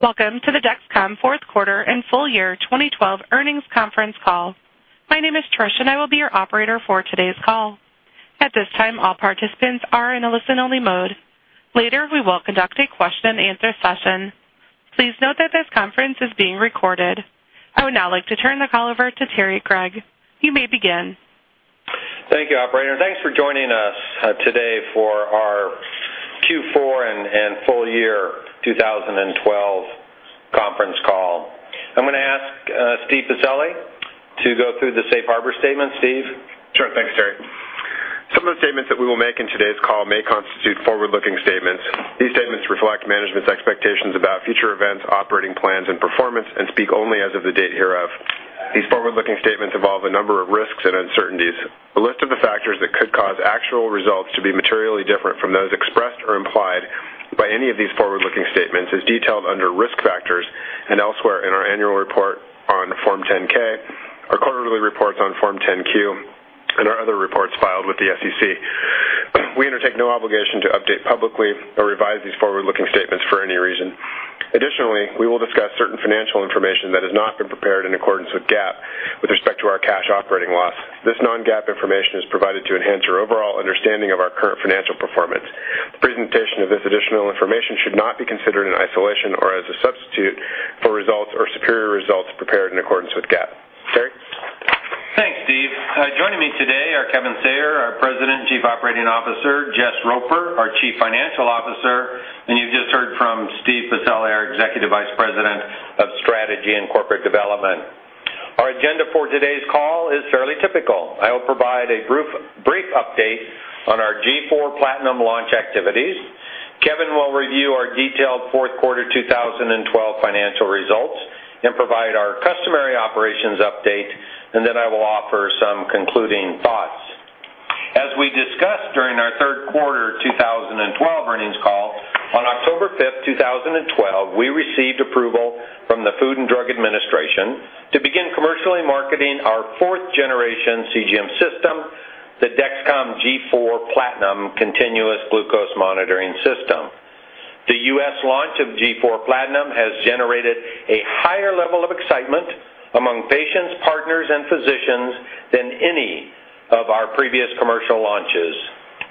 Welcome to the Dexcom Fourth Quarter and Full Year 2012 Earnings Conference Call. My name is Trish, and I will be your operator for today's call. At this time, all participants are in a listen-only mode. Later, we will conduct a question-and-answer session. Please note that this conference is being recorded. I would now like to turn the call over to Terry Gregg. You may begin. Thank you, operator. Thanks for joining us today for our fourth quarter and full year 2012 conference call. I'm gonna ask Steve Pacelli to go through the safe harbor statement. Steve? Sure. Thanks, Terry. Some of the statements that we will make in today's call may constitute forward-looking statements. These statements reflect management's expectations about future events, operating plans and performance and speak only as of the date hereof. These forward-looking statements involve a number of risks and uncertainties. A list of the factors that could cause actual results to be materially different from those expressed or implied by any of these forward-looking statements is detailed under Risk Factors and elsewhere in our annual report on Form 10-K, our quarterly reports on Form 10-Q, and our other reports filed with the SEC. We undertake no obligation to update publicly or revise these forward-looking statements for any reason. Additionally, we will discuss certain financial information that has not been prepared in accordance with GAAP with respect to our cash operating loss. This non-GAAP information is provided to enhance your overall understanding of our current financial performance. The presentation of this additional information should not be considered in isolation or as a substitute for results or superior results prepared in accordance with GAAP. Terry? Thanks, Steve. Joining me today are Kevin Sayer, our President and Chief Operating Officer, Jess Roper, our Chief Financial Officer, and you just heard from Steve Pacelli, our Executive Vice President of Strategy and Corporate Development. Our agenda for today's call is fairly typical. I will provide a brief update on our G4 PLATINUM launch activities. Kevin will review our detailed fourth quarter 2012 financial results and provide our customary operations update, and then I will offer some concluding thoughts. As we discussed during our third quarter 2012 earnings call, on 5 October 2012, we received approval from the Food and Drug Administration to begin commercially marketing our fourth generation CGM system, the Dexcom G4 PLATINUM Continuous Glucose Monitoring System. The US launch of G4 PLATINUM has generated a higher level of excitement among patients, partners, and physicians than any of our previous commercial launches.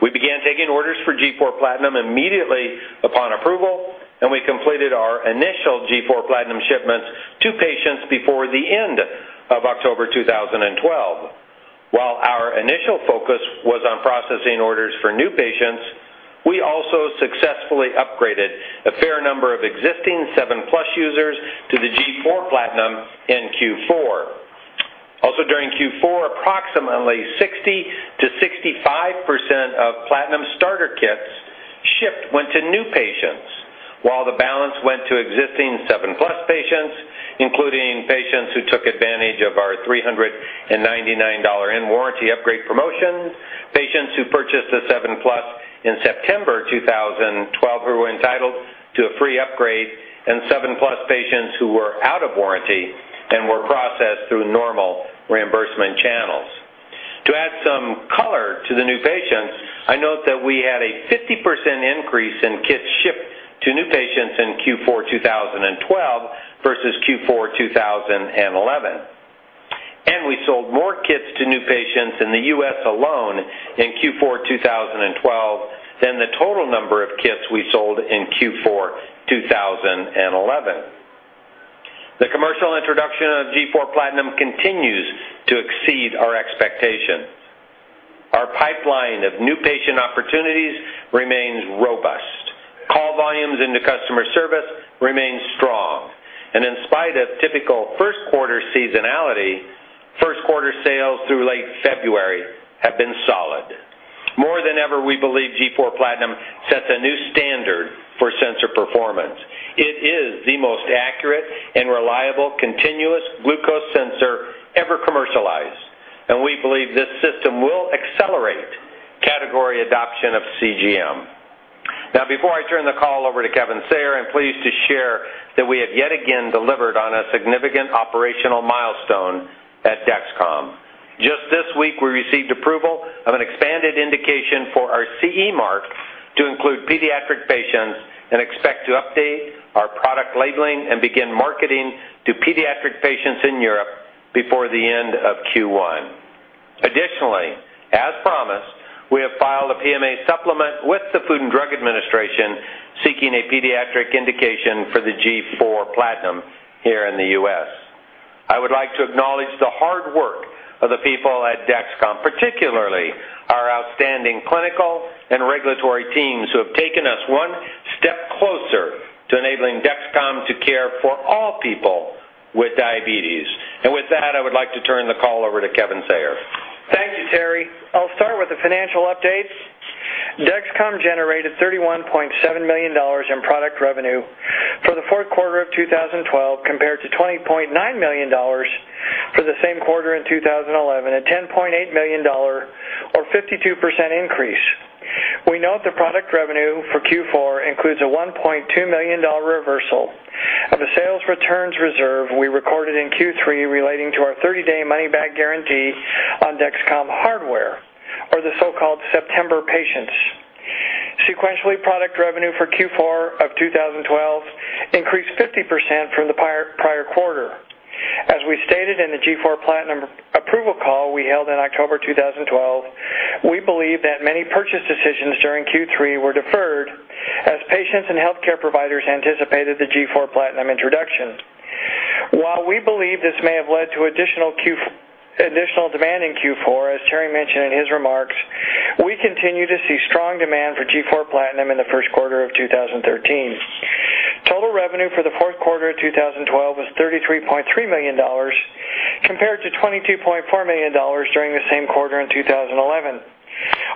We began taking orders for G4 PLATINUM immediately upon approval, and we completed our initial G4 PLATINUM shipments to patients before the end of October 2012. While our initial focus was on processing orders for new patients, we also successfully upgraded a fair number of SEVEN PLUS users to the G4 PLATINUM in fourth quarter. Also, during fourth quarter, approximately 60% to 65% of PLATINUM starter kits shipped went to new patients, while the balance went to SEVEN PLUS patients, including patients who took advantage of our $399 in-warranty upgrade promotions, patients who purchased SEVEN PLUS in September 2012 who were entitled to a free upgrade, SEVEN PLUS patients who were out of warranty and were processed through normal reimbursement channels. To add some color to the new patients, I note that we had a 50% increase in kits shipped to new patients in fourth quarter 2012 versus fourth quarter 2011. We sold more kits to new patients in the US alone in fourth quarter 2012 than the total number of kits we sold in fourth quarter 2011. The commercial introduction of G4 PLATINUM continues to exceed our expectations. Our pipeline of new patient opportunities remains robust. Call volumes into customer service remain strong. In spite of typical first quarter seasonality, first quarter sales through late February have been solid. More than ever, we believe G4 PLATINUM sets a new standard for sensor performance. It is the most accurate and reliable continuous glucose sensor ever commercialized, and we believe this system will accelerate category adoption of CGM. Now, before I turn the call over to Kevin Sayer, I'm pleased to share that we have yet again delivered on a significant operational milestone at Dexcom. Just this week, we received approval of an expanded indication for our CE mark to include pediatric patients and expect to update our product labeling and begin marketing to pediatric patients in Europe before the end of first quarter. Additionally, as promised, we have filed a PMA supplement with the Food and Drug Administration seeking a pediatric indication for the G4 PLATINUM here in the US. I would like to acknowledge the hard work of the people at Dexcom, particularly our outstanding clinical and regulatory teams, who have taken us one step closer to enabling Dexcom to care for all people with diabetes. With that, I would like to turn the call over to Kevin Sayer. Thank you, Terry. I'll start with the financial updates. Dexcom generated $31.7 million in product revenue for the fourth quarter of 2012 compared to $20.9 million for the same quarter in 2011, a $10.8 million or 52% increase. We note the product revenue for fourth quarter includes a $1.2 million reversal of a sales returns reserve we recorded in third quarter relating to our thirty-day money-back guarantee on Dexcom hardware, or the so-called September patients. Sequentially, product revenue for fourth quarter of 2012 increased 50% from the prior quarter. As we stated in the G4 PLATINUM approval call we held in October 2012, we believe that many purchase decisions during third quarter were deferred as patients and healthcare providers anticipated the G4 PLATINUM introduction. While we believe this may have led to additional demand in fourth quarter, as Terry mentioned in his remarks, we continue to see strong demand for G4 PLATINUM in the first quarter of 2013. Total revenue for the fourth quarter of 2012 was $33.3 million compared to $22.4 million during the same quarter in 2011.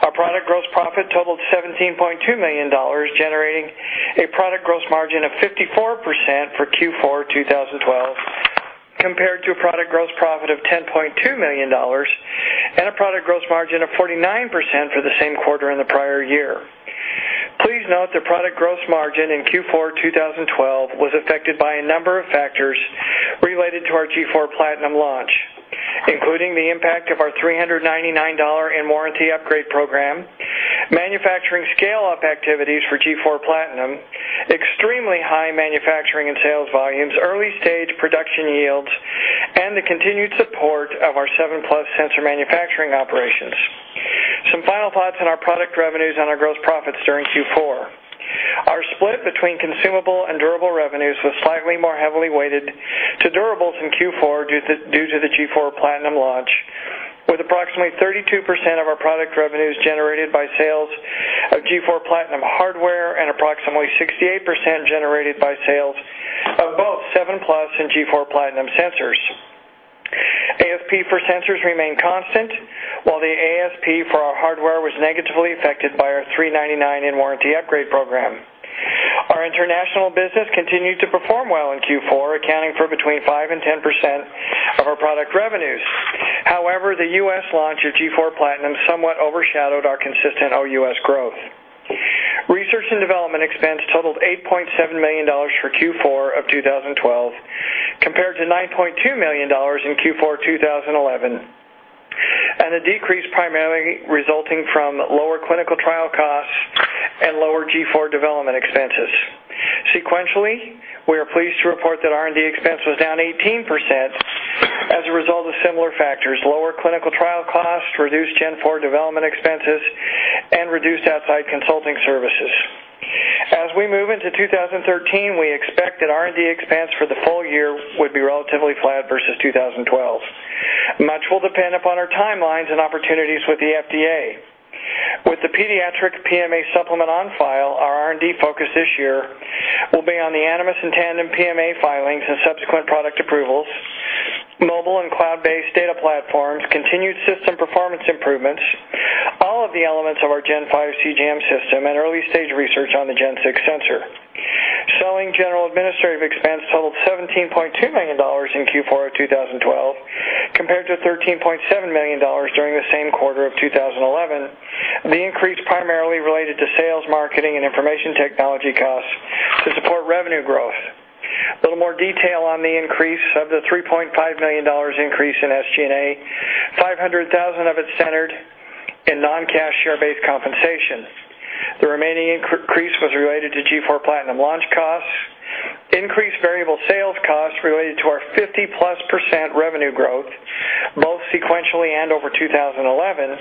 Our product gross profit totaled $17.2 million, generating a product gross margin of 54% for fourth quarter 2012, compared to a product gross profit of $10.2 million and a product gross margin of 49% for the same quarter in the prior year. Please note the product gross margin in fourth quarter 2012 was affected by a number of factors related to our G4 PLATINUM launch, including the impact of our $399 warranty upgrade program, manufacturing scale-up activities for G4 PLATINUM, extremely high manufacturing and sales volumes, early stage production yields, and the continued support of our SEVEN PLUS sensor manufacturing operations. Some final thoughts on our product revenues and our gross profits during fourth quarter. Our split between consumable and durable revenues was slightly more heavily weighted to durables in fourth quarter due to the G4 PLATINUM launch, with approximately 32% of our product revenues generated by sales of G4 PLATINUM hardware and approximately 68% generated by sales of both SEVEN PLUS and G4 PLATINUM sensors. ASP for sensors remained constant, while the ASP for our hardware was negatively affected by our $399 and warranty upgrade program. Our international business continued to perform well in fourth quarter, accounting for between 5% and 10% of our product revenues. However, the US launch of G4 PLATINUM somewhat overshadowed our consistent OUS growth. Research and development expense totaled $8.7 million for fourth quarter of 2012, compared to $9.2 million in fourth quarter 2011, and a decrease primarily resulting from lower clinical trial costs and lower G4 development expenses. Sequentially, we are pleased to report that R&D expense was down 18% as a result of similar factors. Lower clinical trial costs, reduced G4 development expenses, and reduced outside consulting services. As we move into 2013, we expect that R&D expense for the full year would be relatively flat versus 2012. Much will depend upon our timelines and opportunities with the FDA. With the pediatric PMA supplement on file, our R&D focus this year will be on the Animas and Tandem PMA filings and subsequent product approvals, mobile and cloud-based data platforms, continued system performance improvements, all of the elements of our G5 CGM system, and early-stage research on the G6 sensor. Selling, general and administrative expense totaled $17.2 million in fourth quarter of 2012, compared to $13.7 million during the same quarter of 2011. The increase primarily related to sales, marketing and information technology costs to support revenue growth. A little more detail on the $3.5 million increase in SG&A, $500,000 of it centered in non-cash share-based compensation. The remaining increase was related to G4 PLATINUM launch costs, increased variable sales costs related to our 50% plus revenue growth, both sequentially and over 2011,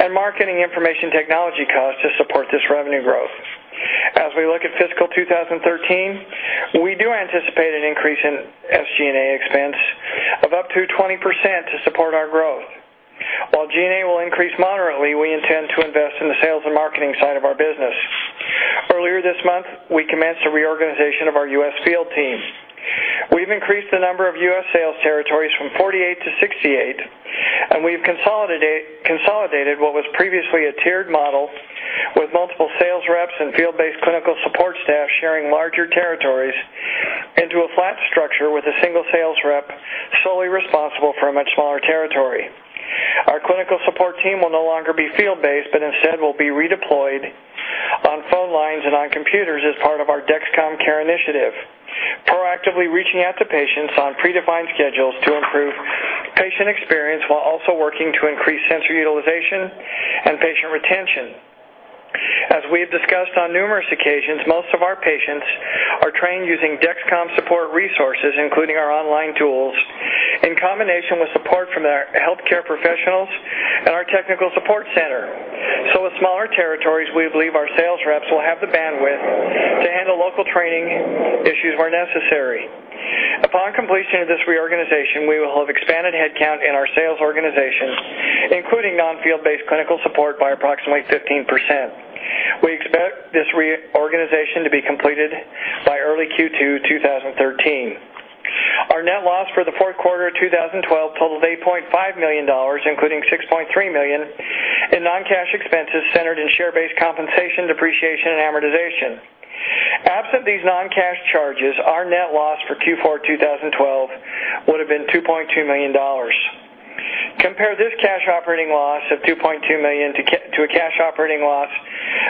and marketing information technology costs to support this revenue growth. As we look at fiscal 2013, we do anticipate an increase in SG&A expense of up to 20% to support our growth. While SG&A will increase moderately, we intend to invest in the sales and marketing side of our business. Earlier this month, we commenced a reorganization of our US field team. We've increased the number of US sales territories from 48% to 68%, and we've consolidated what was previously a tiered model with multiple sales reps and field-based clinical support staff sharing larger territories into a flat structure with a single sales rep solely responsible for a much smaller territory. Our clinical support team will no longer be field-based, but instead will be redeployed on phone lines and on computers as part of our Dexcom CARE Initiative, proactively reaching out to patients on predefined schedules to improve patient experience, while also working to increase sensor utilization and patient retention. As we have discussed on numerous occasions, most of our patients are trained using Dexcom support resources, including our online tools, in combination with support from our healthcare professionals and our technical support center. With smaller territories, we believe our sales reps will have the bandwidth to handle local training issues where necessary. Upon completion of this reorganization, we will have expanded headcount in our sales organization, including non-field based clinical support by approximately 15%. We expect this reorganization to be completed by early second quarter 2013. Our net loss for the fourth quarter 2012 totaled $8.5 million, including $6.3 million in non-cash expenses centered in share-based compensation, depreciation, and amortization. Absent these non-cash charges, our net loss for fourth quarter 2012 would have been $2.2 million. Compare this cash operating loss of $2.2 million to a cash operating loss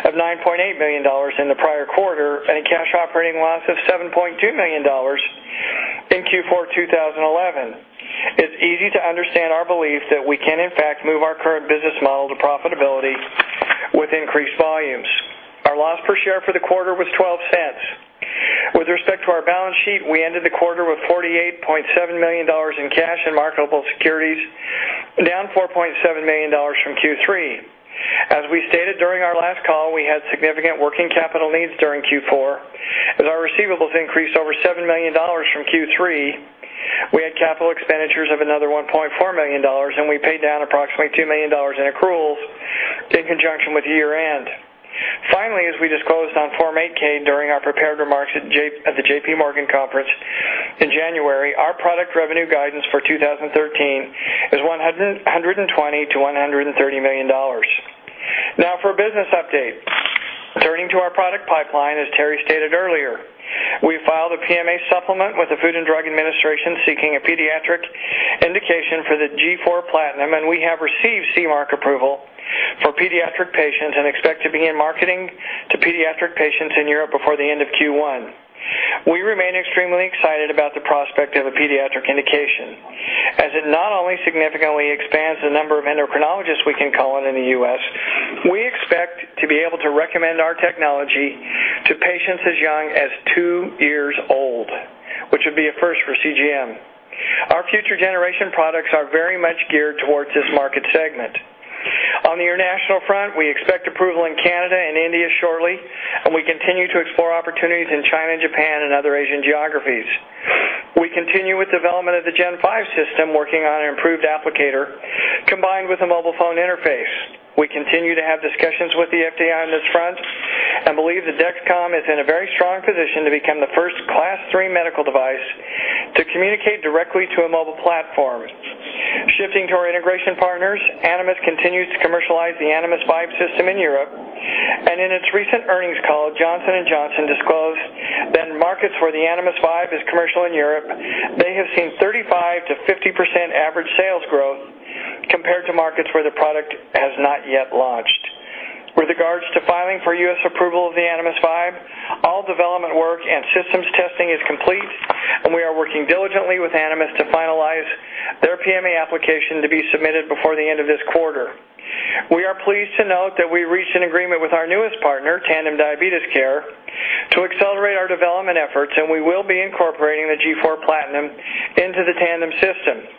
of $9.8 million in the prior quarter and a cash operating loss of $7.2 million. It's easy to understand our belief that we can in fact move our current business model to profitability with increased volumes. Our loss per share for the quarter was $0.12. With respect to our balance sheet, we ended the quarter with $48.7 million in cash and marketable securities, down $4.7 million from third quarter. As we stated during our last call, we had significant working capital needs during fourth quarter as our receivables increased over $7 million from third quarter. We had capital expenditures of another $1.4 million, and we paid down approximately $2 million in accruals in conjunction with year-end. Finally, as we disclosed on Form 8-K during our prepared remarks at the JPMorgan conference in January, our product revenue guidance for 2013 is $120 to 130 million. Now for a business update. Turning to our product pipeline, as Terry stated earlier, we filed a PMA supplement with the Food and Drug Administration seeking a pediatric indication for the G4 PLATINUM, and we have received CE mark approval for pediatric patients and expect to begin marketing to pediatric patients in Europe before the end of first quarter. We remain extremely excited about the prospect of a pediatric indication, as it not only significantly expands the number of endocrinologists we can call in the US, we expect to be able to recommend our technology to patients as young as two years old, which would be a first for CGM. Our future generation products are very much geared towards this market segment. On the international front, we expect approval in Canada and India shortly, and we continue to explore opportunities in China and Japan and other Asian geographies. We continue with development of the G5 system, working on an improved applicator combined with a mobile phone interface. We continue to have discussions with the FDA on this front and believe that Dexcom is in a very strong position to become the First Class three medical device to communicate directly to a mobile platform. Shifting to our integration partners, Animas continues to commercialize the Animas Vibe system in Europe. In its recent earnings call, Johnson & Johnson disclosed that in markets where the Animas Vibe is commercial in Europe, they have seen 35% to 50% average sales growth compared to markets where the product has not yet launched. With regards to filing for US approval of the Animas Vibe, all development work and systems testing is complete, and we are working diligently with Animas to finalize their PMA application to be submitted before the end of this quarter. We are pleased to note that we reached an agreement with our newest partner, Tandem Diabetes Care, to accelerate our development efforts, and we will be incorporating the G4 PLATINUM into the Tandem system.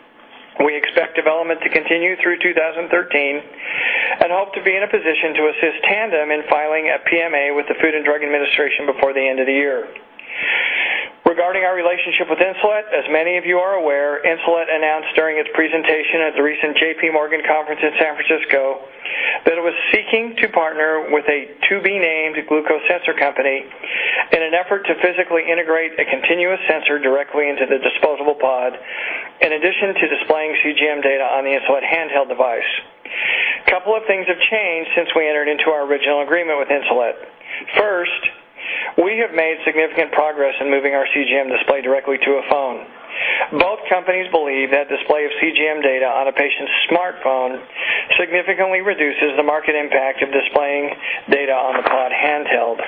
We expect development to continue through 2013 and hope to be in a position to assist Tandem in filing a PMA with the Food and Drug Administration before the end of the year. Regarding our relationship with Insulet, as many of you are aware, Insulet announced during its presentation at the recent JPMorgan conference in San Francisco that it was seeking to partner with a to-be-named glucose sensor company in an effort to physically integrate a continuous sensor directly into the disposable pod, in addition to displaying CGM data on the Insulet handheld device. A couple of things have changed since we entered into our original agreement with Insulet. First, we have made significant progress in moving our CGM display directly to a phone. Both companies believe that display of CGM data on a patient's smartphone significantly reduces the market impact of displaying data on the pod handheld.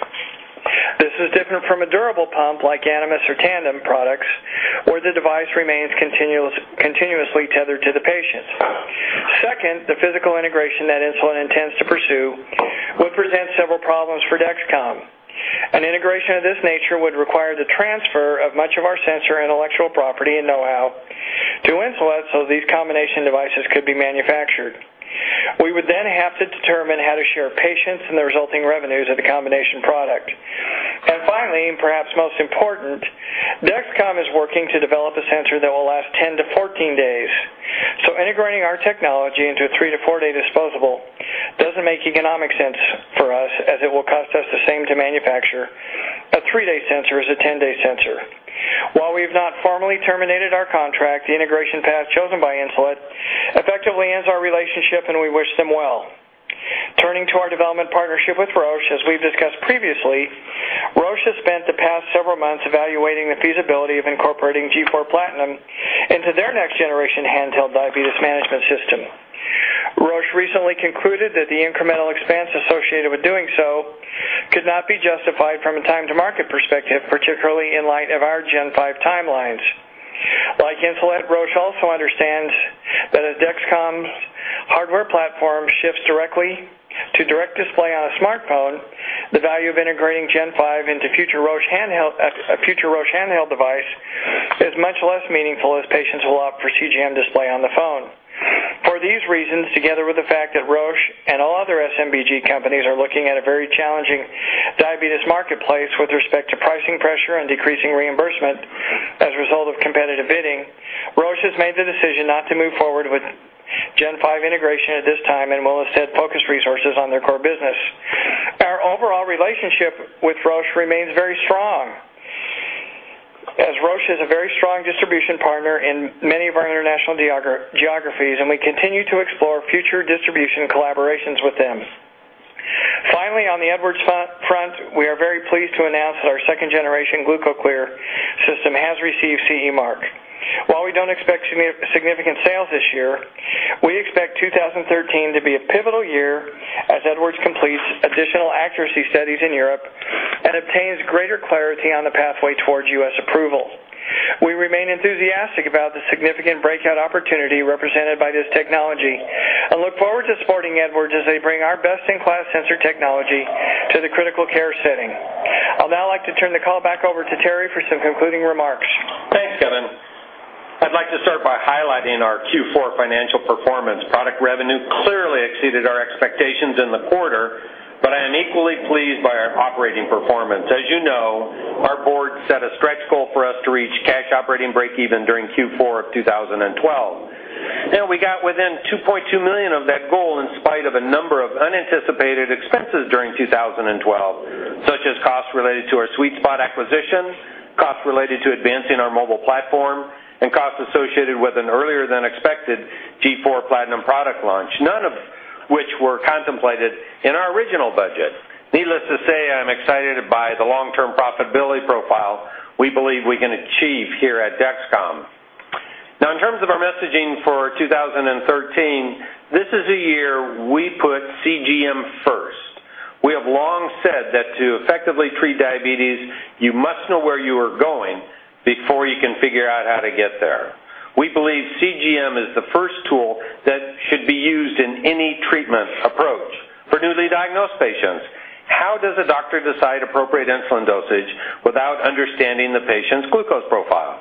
This is different from a durable pump like Animas or Tandem products, where the device remains continuously tethered to the patient. Second, the physical integration that Insulet intends to pursue would present several problems for Dexcom. An integration of this nature would require the transfer of much of our sensor intellectual property and know-how to Insulet so these combination devices could be manufactured. We would then have to determine how to share patients and the resulting revenues of the combination product. Finally, and perhaps most important, Dexcom is working to develop a sensor that will last 10 to 14 days. Integrating our technology into a three-to-four-day disposable doesn't make economic sense for us, as it will cost us the same to manufacture a three-day sensor as a 10-day sensor. While we have not formally terminated our contract, the integration path chosen by Insulet effectively ends our relationship, and we wish them well. Turning to our development partnership with Roche, as we've discussed previously, Roche has spent the past several months evaluating the feasibility of incorporating G4 PLATINUM into their next-generation handheld diabetes management system. Roche recently concluded that the incremental expense associated with doing so could not be justified from a time-to-market perspective, particularly in light of our G5 timelines. Like Insulet, Roche also understands that as Dexcom's hardware platform shifts directly to direct display on a smartphone, the value of integrating G5 into a future Roche handheld device is much less meaningful as patients will opt for CGM display on the phone. For these reasons, together with the fact that Roche and all other SMBG companies are looking at a very challenging diabetes marketplace with respect to pricing pressure and decreasing reimbursement as a result of competitive bidding, Roche has made the decision not to move forward with G5 integration at this time and will instead focus resources on their core business. Our overall relationship with Roche remains very strong, as Roche is a very strong distribution partner in many of our international geographies, and we continue to explore future distribution collaborations with them. Finally, on the Edwards front, we are very pleased to announce that our second-generation GlucoClear system has received CE mark. While we don't expect significant sales this year, we expect 2013 to be a pivotal year as Edwards completes additional accuracy studies in Europe and obtains greater clarity on the pathway towards US approval. We remain enthusiastic about the significant breakout opportunity represented by this technology and look forward to supporting Edwards as they bring our best-in-class sensor technology to the critical care setting. I'd now like to turn the call back over to Terry for some concluding remarks. Thanks, Kevin. I'd like to start by highlighting our fourth quarter financial performance. Product revenue clearly exceeded our expectations in the quarter, but I am equally pleased by our operating performance. As you know, our board set a stretch goal for us to reach cash operating break-even during fourth quarter of 2012. Now, we got within $2.2 million of that goal in spite of a number of unanticipated expenses during 2012, such as costs related to our SweetSpot acquisition, costs related to advancing our mobile platform, and costs associated with an earlier-than-expected G4 PLATINUM product launch, none of which were contemplated in our original budget. Needless to say, I'm excited by the long-term profitability profile we believe we can achieve here at Dexcom. Now in terms of our messaging for 2013, this is a year we put CGM first. We have long said that to effectively treat diabetes, you must know where you are going before you can figure out how to get there. We believe CGM is the first tool that should be used in any treatment approach. For newly diagnosed patients, how does a doctor decide appropriate insulin dosage without understanding the patient's glucose profile?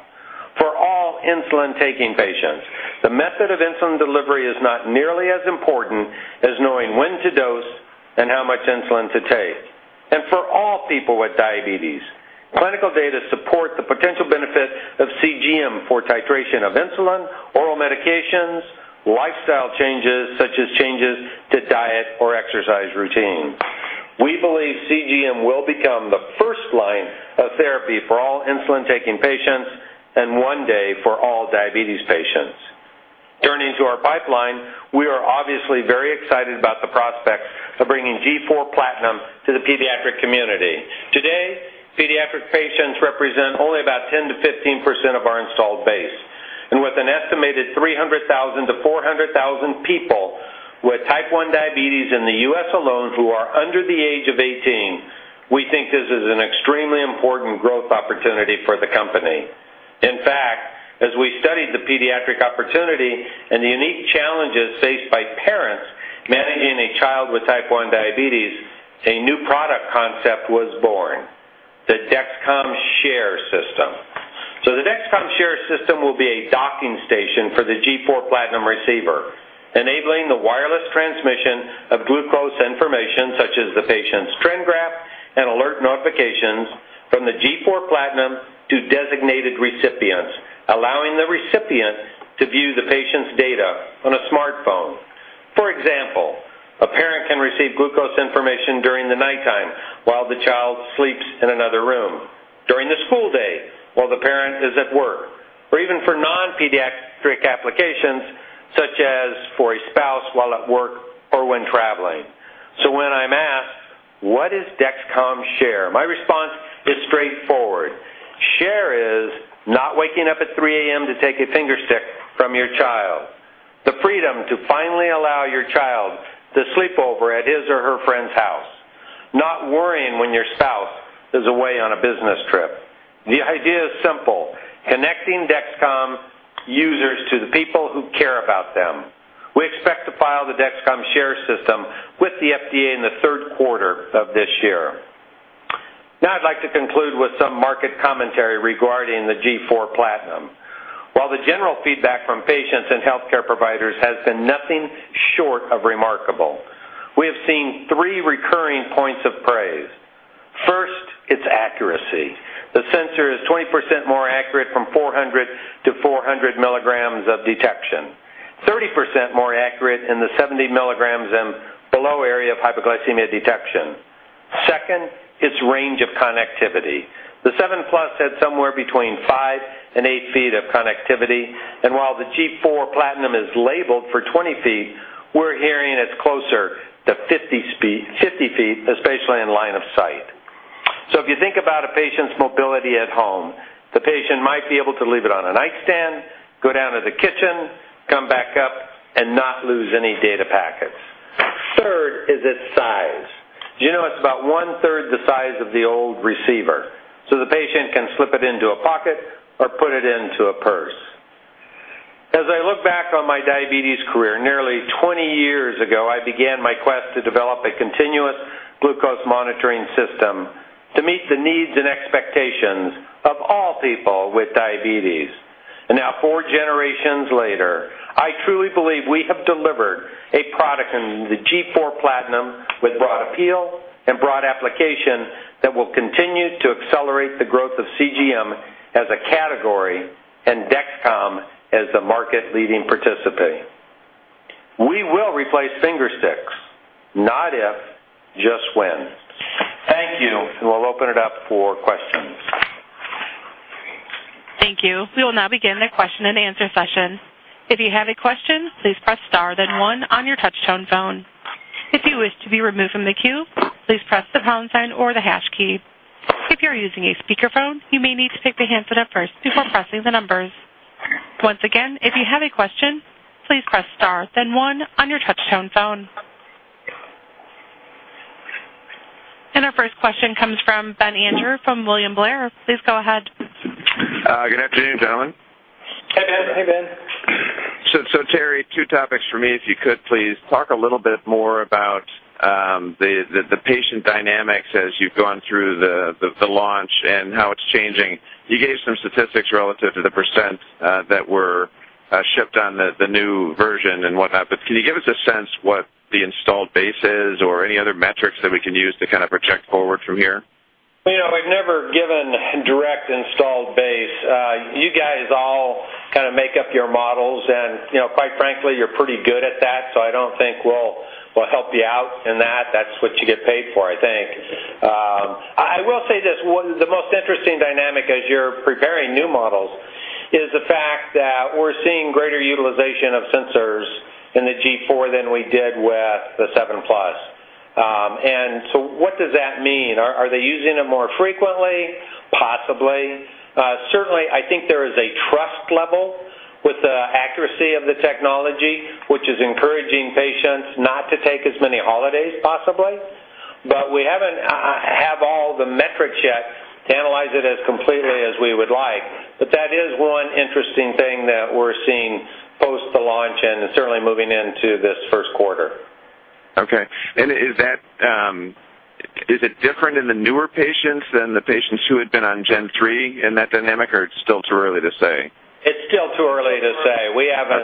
For all insulin-taking patients, the method of insulin delivery is not nearly as important as knowing when to dose and how much insulin to take. For all people with diabetes, clinical data support the potential benefit of CGM for titration of insulin, oral medications, lifestyle changes such as changes to diet or exercise routine. We believe CGM will become the first line of therapy for all insulin-taking patients, and one day for all diabetes patients. Turning to our pipeline, we are obviously very excited about the prospects of bringing G4 PLATINUM to the pediatric community. Today, pediatric patients represent only about 10% to 15% of our installed base. With an estimated 300,000 to 400,000 people with Type 1 diabetes in the US alone who are under the age of 18, we think this is an extremely important growth opportunity for the company. In fact, as we studied the pediatric opportunity and the unique challenges faced by parents managing a child with Type 1 diabetes, a new product concept was born, the Dexcom Share system. The Dexcom Share system will be a docking station for the G4 PLATINUM receiver, enabling the wireless transmission of glucose information such as the patient's trend graph and alert notifications from the G4 PLATINUM to designated recipients, allowing the recipient to view the patient's data on a smartphone. For example, a parent can receive glucose information during the nighttime while the child sleeps in another room, during the school day while the parent is at work, or even for non-pediatric applications such as for a spouse while at work or when traveling. When I'm asked, "What is Dexcom Share?" My response is straightforward. Share is not waking up at 3:00AM to take a finger stick from your child. The freedom to finally allow your child to sleep over at his or her friend's house. Not worrying when your spouse is away on a business trip. The idea is simple, connecting Dexcom users to the people who care about them. We expect to file the Dexcom Share system with the FDA in the third quarter of this year. Now I'd like to conclude with some market commentary regarding the G4 PLATINUM. While the general feedback from patients and healthcare providers has been nothing short of remarkable, we have seen three recurring points of praise. First, its accuracy. The sensor is 20% more accurate from 400 mg to 400 mg of detection, 30% more accurate in the 70 mg and below area of hypoglycemia detection. Second, its range of connectivity. The SEVEN PLUS had somewhere between 5 ft and 8 ft of connectivity, and while the G4 PLATINUM is labeled for 20 ft, we're hearing it's closer to 50 ft, especially in line of sight. If you think about a patient's mobility at home, the patient might be able to leave it on a nightstand, go down to the kitchen, come back up and not lose any data packets. Third is its size. Do you know it's about 1/3 the size of the old receiver, so the patient can slip it into a pocket or put it into a purse. As I look back on my diabetes career, nearly 20 years ago, I began my quest to develop a continuous glucose monitoring system to meet the needs and expectations of all people with diabetes. Now, four generations later, I truly believe we have delivered a product in the G4 PLATINUM with broad appeal and broad application that will continue to accelerate the growth of CGM as a category and Dexcom as a market-leading participant. We will replace finger sticks, not if, just when. Thank you, and we'll open it up for questions. Thank you. We will now begin a question-and-answer session. If you have a question, please press star then one on your touchtone phone. If you wish to be removed from the queue, please press the pound sign or the hash key. If you're using a speakerphone, you may need to pick the handset up first before pressing the numbers. Once again, if you have a question, please press star then one on your touchtone phone. Our first question comes from Ben Andrew from William Blair. Please go ahead. Good afternoon, gentlemen. Hey, Ben. Hey, Ben. Terry, two topics for me, if you could please. Talk a little bit more about the patient dynamics as you've gone through the launch and how it's changing. You gave some statistics relative to the percent that were shipped on the new version and whatnot. Can you give us a sense what the installed base is or any other metrics that we can use to kind of project forward from here? You know, we've never given direct installed base. You guys all kinda make up your models and, you know, quite frankly, you're pretty good at that, so I don't think we'll help you out in that. That's what you get paid for, I think. I will say this. The most interesting dynamic as you're preparing new models is the fact that we're seeing greater utilization of sensors in the G4 than we did with the SEVEN PLUS. What does that mean? Are they using it more frequently? Possibly. Certainly, I think there is a trust level with the accuracy of the technology, which is encouraging patients not to take as many holidays possibly. We haven't all the metrics yet to analyze it as completely as we would like. That is one interesting thing that we're seeing post the launch and certainly moving into this first quarter. Is it different in the newer patients than the patients who had been on G3 in that dynamic, or it's still too early to say? It's still too early to say... Okay. We haven't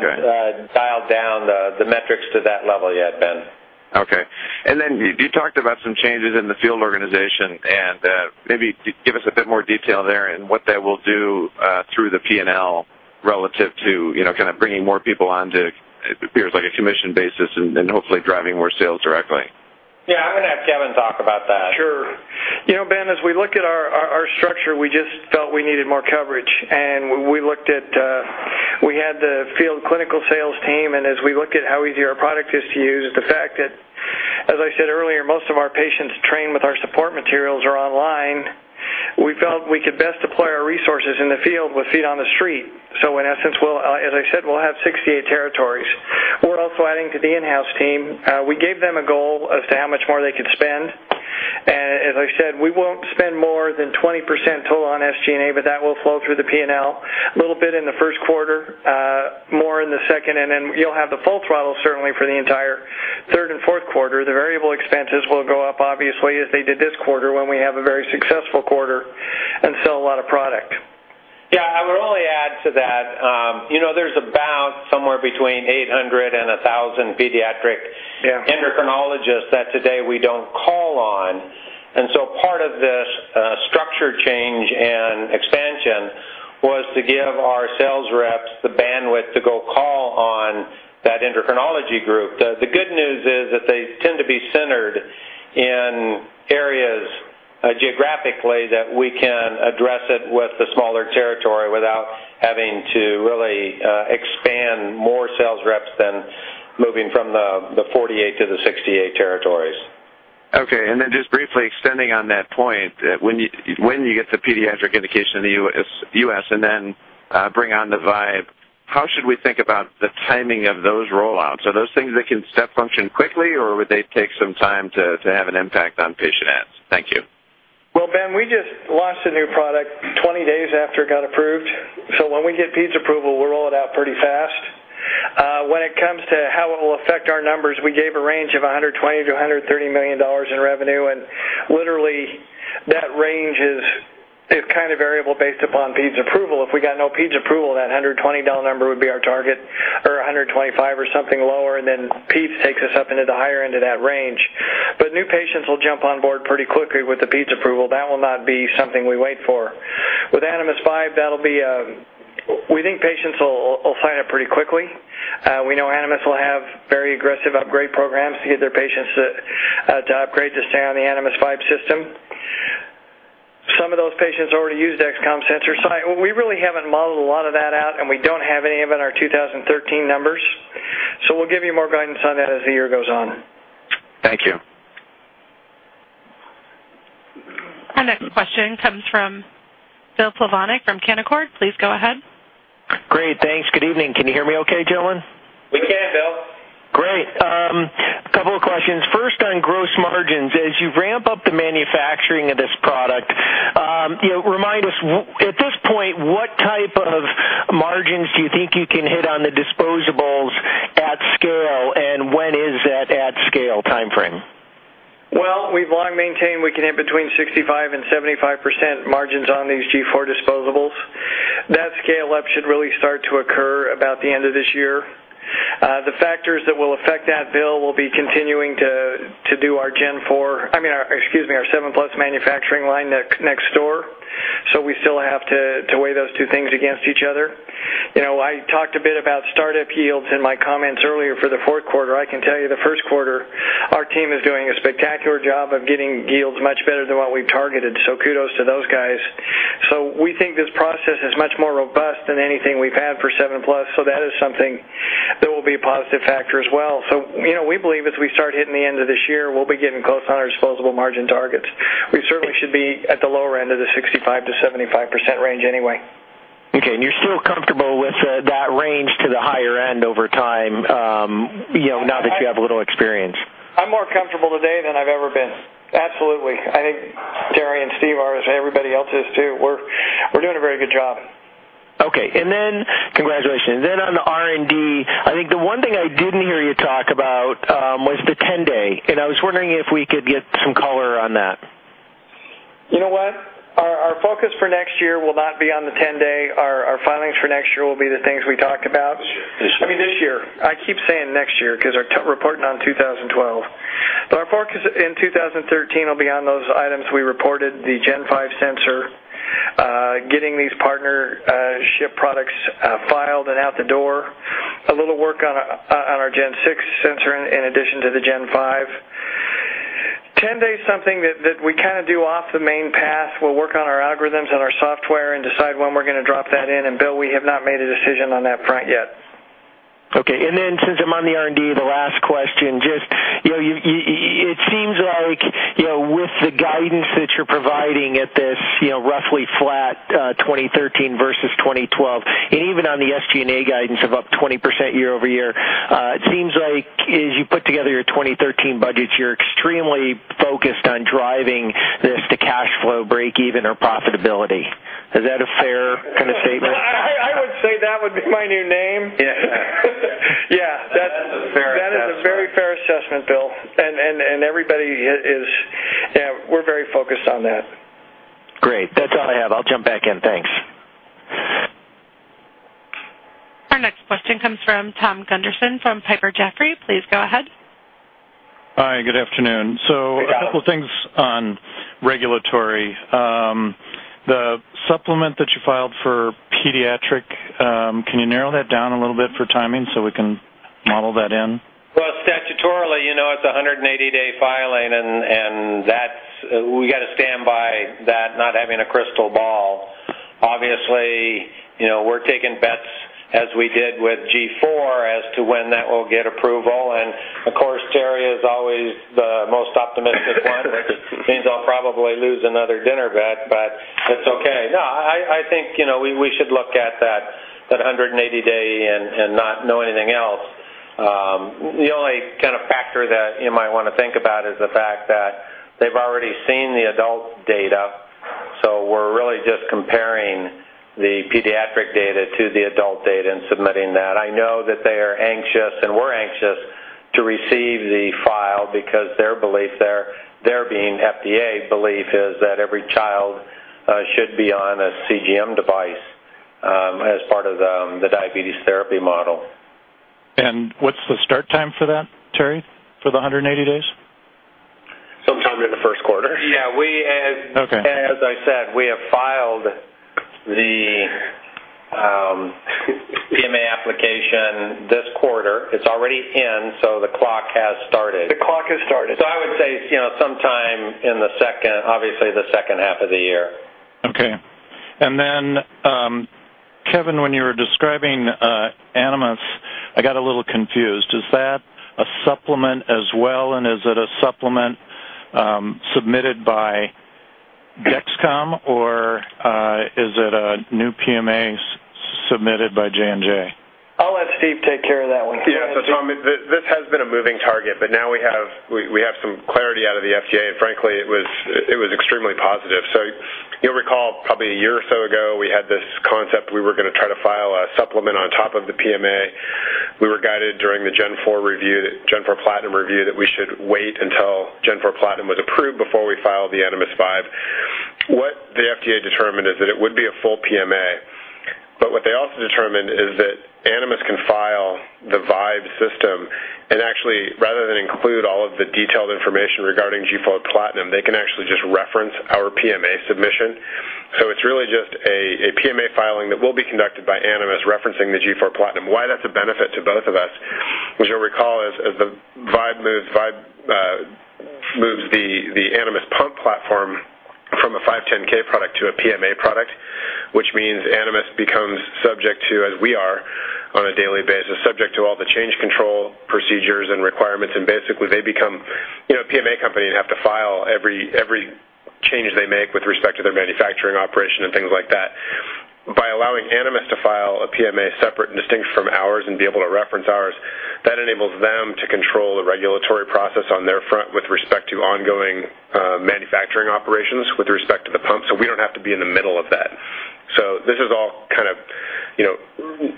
dialed down the metrics to that level yet, Ben. Okay. You talked about some changes in the field organization, and maybe give us a bit more detail there and what that will do through the P&L relative to, you know, kind of bringing more people onto, it appears like a commission basis and hopefully driving more sales directly. Yeah. I'm gonna have Kevin talk about that. Sure. You know, Ben, as we look at our structure, we just felt we needed more coverage. We looked at, we had the field clinical sales team, and as we looked at how easy our product is to use, the fact that, as I said earlier, most of our patients train with our support materials or online, we felt we could best deploy our resources in the field with feet on the street. In essence, we'll, as I said, we'll have 68 territories. We're also adding to the in-house team. We gave them a goal as to how much more they could spend. As I said, we won't spend more than 20% total on SG&A, but that will flow through the P&L a little bit in the first quarter, more in the second, and then you'll have the full throttle certainly for the entire third and fourth quarter. The variable expenses will go up obviously, as they did this quarter, when we have a very successful quarter and sell a lot of product. Yeah. I would only add to that. You know, there's about somewhere between 800 and 1,000 pediatric... Yeah. Endocrinologists that today we don't call on. Part of this structure change and expansion was to give our sales reps the bandwidth to go call on that endocrinology group. The good news is that they tend to be centered in areas, geographically that we can address it with the smaller territory without having to really expand more sales reps than moving from the 48 to the 68 territories. Okay. Just briefly extending on that point, when you get the pediatric indication in the US and then bring on the Vibe, how should we think about the timing of those rollouts? Are those things that can step function quickly, or would they take some time to have an impact on patient adds? Thank you. Well, Ben, we just launched a new product 20 days after it got approved. When we get peds approval, we'll roll it out pretty fast. When it comes to how it will affect our numbers, we gave a range of $120 to 130 million in revenue. Literally, that range is kind of variable based upon peds approval. If we got no peds approval, that $120 million number would be our target or $125 million or something lower, and then peds takes us up into the higher end of that range. New patients will jump on board pretty quickly with the peds approval. That will not be something we wait for. With Animas Vibe, that'll be, we think patients will sign up pretty quickly. We know Animas will have very aggressive upgrade programs to get their patients to upgrade to stay on the Animas Vibe system. Some of those patients already used Dexcom sensors. We really haven't modeled a lot of that out, and we don't have any of it in our 2013 numbers. We'll give you more guidance on that as the year goes on. Thank you. Our next question comes from Bill Plovanic from Canaccord. Please go ahead. Great. Thanks. Good evening. Can you hear me okay, gentlemen? We can, Bill. Great. A couple of questions. First, on gross margins. As you ramp up the manufacturing of this product, you know, remind us, at this point, what type of margins do you think you can hit on the disposables at scale, and when is that at scale timeframe? Well, we've long maintained we can hit between 65% and 75% margins on these G4 disposables. That scale-up should really start to occur about the end of this year. The factors that will affect that, Bill, will be continuing to do our G4, I mean, excuse me, our SEVEN PLUS manufacturing line next door. We still have to weigh those two things against each other. You know, I talked a bit about startup yields in my comments earlier for the fourth quarter. I can tell you the first quarter, our team is doing a spectacular job of getting yields much better than what we've targeted. Kudos to those guys. We think this process is much more robust than anything we've had SEVEN PLUS, so that is something that will be a positive factor as well. You know, we believe as we start hitting the end of this year, we'll be getting close on our disposable margin targets. We certainly should be at the lower end of the 65% to 75% range anyway. Okay. You're still comfortable with that range to the higher end over time, you know, now that you have a little experience? I'm more comfortable today than I've ever been. Absolutely. I think Terry and Steve are as everybody else is, too. We're doing a very good job. Okay. Congratulations. On the R&D, I think the one thing I didn't hear you talk about was the 10-day, and I was wondering if we could get some color on that. You know what? Our focus for next year will not be on the 10-day. Our filings for next year will be the things we talked about. I mean this year. I keep saying next year 'cause our reporting on 2012. Our focus in 2013 will be on those items we reported, the G5 sensor, getting these partnership products filed and out the door. A little work on our G6 sensor in addition to the G5. 10-day is something that we kinda do off the main path. We'll work on our algorithms and our software and decide when we're gonna drop that in. Bill, we have not made a decision on that front yet. Okay. Since I'm on the R&D, the last question, just, you know, it seems like, you know, with the guidance that you're providing at this, you know, roughly flat, 2013 versus 2012, and even on the SG&A guidance of up to 20% year-over-year, it seems like as you put together your 2013 budgets, you're extremely focused on driving this to cash flow breakeven or profitability. Is that a fair kind of statement? I would say that would be my new name. Yeah. Yeah. That's a fair assessment. That is a very fair assessment, Bill. Yeah, we're very focused on that. Great. That's all I have. I'll jump back in. Thanks. Our next question comes from Tom Gunderson from Piper Jaffray. Please go ahead. Hi, good afternoon. A couple things on regulatory. The supplement that you filed for pediatric, can you narrow that down a little bit for timing so we can model that in? Well, statutorily, you know, it's a 180-day filing and that's—we gotta stand by that not having a crystal ball. Obviously, you know, we're taking bets as we did with G4 as to when that will get approval. Of course, Terry is always the most optimistic one—which means I'll probably lose another dinner bet, but that's okay. I think, you know, we should look at that 180 day and not know anything else. The only kind of factor that you might wanna think about is the fact that they've already seen the adult data, so we're really just comparing the pediatric data to the adult data and submitting that. I know that they are anxious, and we're anxious to receive the file because their belief there, their being FDA belief, is that every child should be on a CGM device as part of the diabetes therapy model. What's the start time for that, Terry? For the 180 days? Sometime in the first quarter. Yeah... Okay. As I said, we have filed the PMA application this quarter. It's already in, so the clock has started. The clock has started. I would say, you know, sometime in the second, obviously the second half of the year. Okay. Kevin, when you were describing Animas, I got a little confused. Is that a supplement as well, and is it a supplement submitted by Dexcom, or is it a new PMA submitted by J&J? I'll let Steve take care of that one. Yeah. Tom, this has been a moving target, but now we have some clarity out of the FDA. Frankly, it was extremely positive. You'll recall probably a year or so ago, we had this concept. We were gonna try to file a supplement on top of the PMA. We were guided during the G4 review, G4 PLATINUM review that we should wait until G4 PLATINUM was approved before we filed the Animas Vibe. What the FDA determined is that it would be a full PMA. What they also determined is that Animas can file the Vibe system, and actually, rather than include all of the detailed information regarding G4 PLATINUM, they can actually just reference our PMA submission. It's really just a PMA filing that will be conducted by Animas referencing the G4 PLATINUM. While that's a benefit to both of us, as you'll recall, as the Vibe moves the Animas pump platform from a 510(k) product to a PMA product, which means Animas becomes subject to, as we are on a daily basis, subject to all the change control procedures and requirements. Basically, they become, you know, a PMA company and have to file every change they make with respect to their manufacturing operation and things like that. By allowing Animas to file a PMA separate and distinct from ours and be able to reference ours, that enables them to control the regulatory process on their front with respect to ongoing manufacturing operations with respect to the pump. We don't have to be in the middle of that. This is all kind of, you know,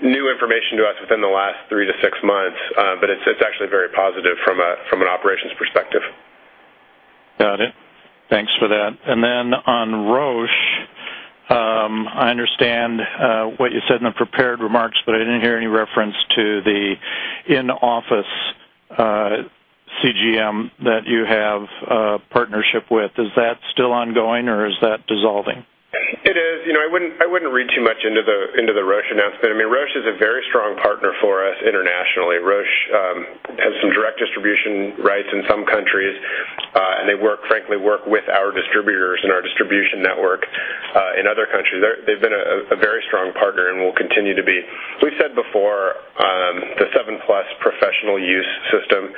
new information to us within the last three to six months. It's actually very positive from an operations perspective. Got it. Thanks for that. On Roche, I understand what you said in the prepared remarks, but I didn't hear any reference to the in-office CGM that you have a partnership with. Is that still ongoing, or is that dissolving? It is. You know, I wouldn't read too much into the Roche announcement. I mean, Roche is a very strong partner for us internationally. Roche has some direct distribution rights in some countries. They work frankly with our distributors and our distribution network in other countries. They've been a very strong partner and will continue to be. We said before, SEVEN PLUS professional use system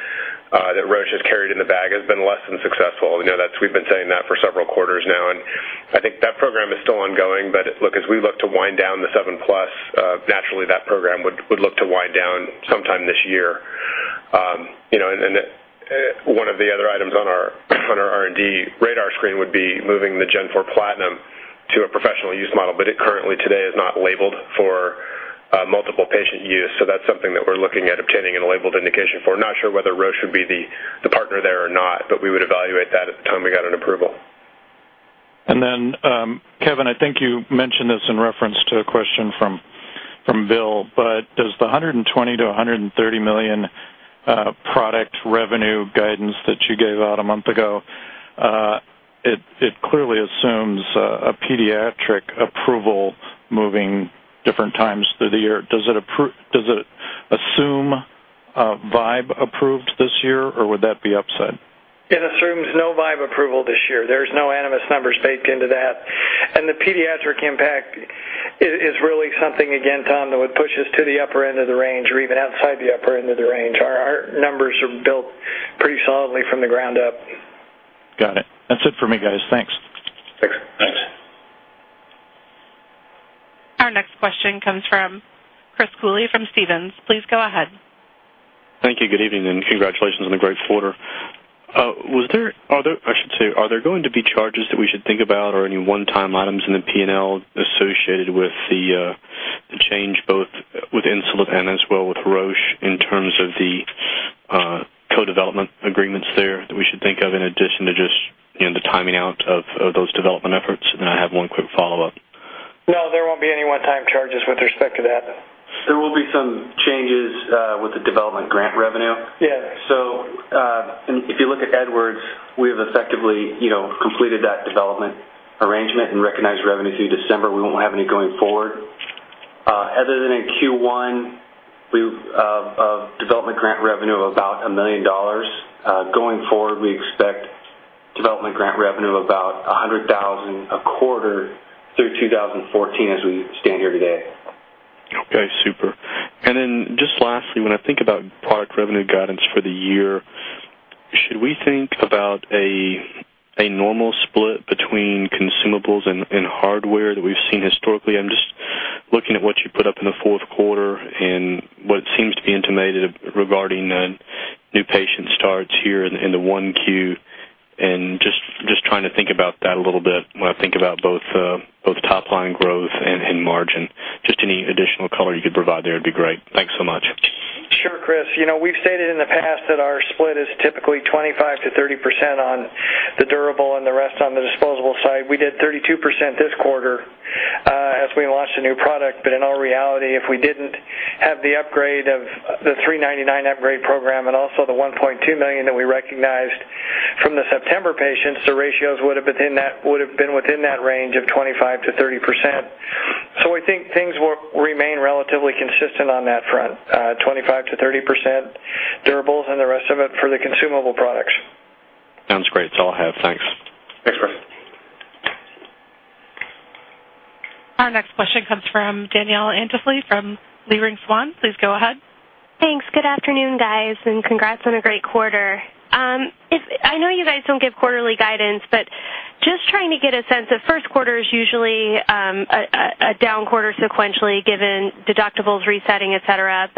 that Roche has carried in the bag has been less than successful. You know, that's. We've been saying that for several quarters now, and I think that program is still ongoing. Look, as we look to wind down the SEVEN PLUS, naturally, that program would look to wind down sometime this year. You know, and then, one of the other items on our R&D radar screen would be moving the G4 PLATINUM to a professional use model. It currently today is not labeled for multiple patient use. That's something that we're looking at obtaining in a labeled indication for. Not sure whether Roche should be the partner there or not, but we would evaluate that at the time we got an approval. Kevin, I think you mentioned this in reference to a question from Bill, but does the $120 to 130 million product revenue guidance that you gave out a month ago it clearly assumes a pediatric approval moving different times through the year. Does it assume Vibe approved this year, or would that be upside? It assumes no Vibe approval this year. There's no Animas numbers baked into that. The pediatric impact is really something, again, Tom, that would push us to the upper end of the range or even outside the upper end of the range. Our numbers are built pretty solidly from the ground up. Got it. That's it for me, guys. Thanks. Thanks. Thanks. Our next question comes from Chris Cooley from Stephens. Please go ahead. Thank you. Good evening, and congratulations on a great quarter. Are there, I should say, going to be charges that we should think about or any one-time items in the P&L associated with the change both with Insulet and as well with Roche in terms of the co-development agreements there that we should think of in addition to just, you know, the timing out of those development efforts? I have one quick follow-up. No, there won't be any one-time charges with respect to that. There will be some changes with the development grant revenue. Yeah. If you look at Edwards, we have effectively, you know, completed that development arrangement and recognized revenue through December. We won't have any going forward. Other than in first quarter of development grant revenue of about $1 million. Going forward, we expect development grant revenue of about $100,000 a quarter through 2014 as we stand here today. Okay, super. Then just lastly, when I think about product revenue guidance for the year, should we think about a normal split between consumables and hardware that we've seen historically? I'm just looking at what you put up in the fourth quarter and what seems to be intimated regarding new patient starts here in the first quarter and just trying to think about that a little bit when I think about both top line growth and margin. Just any additional color you could provide there would be great. Thanks so much. Sure, Chris. You know, we've stated in the past that our split is typically 25% to 30% on the durable and the rest on the disposable side. We did 32% this quarter as we launched a new product. In all reality, if we didn't have the upgrade of the 399-upgrade program and also the $1.2 million that we recognized from the September patients, the ratios would have been within that range of 25% to 30%. We think things will remain relatively consistent on that front, 25% to 30% durables and the rest of it for the consumable products. Sounds great. It's all I have. Thanks. Thanks, Chris. Our next question comes from Danielle Antalffy from Leerink Swann. Please go ahead. Thanks. Good afternoon, guys, and congrats on a great quarter. I know you guys don't give quarterly guidance, but just trying to get a sense of first quarter is usually a down quarter sequentially, given deductibles resetting, et cetera.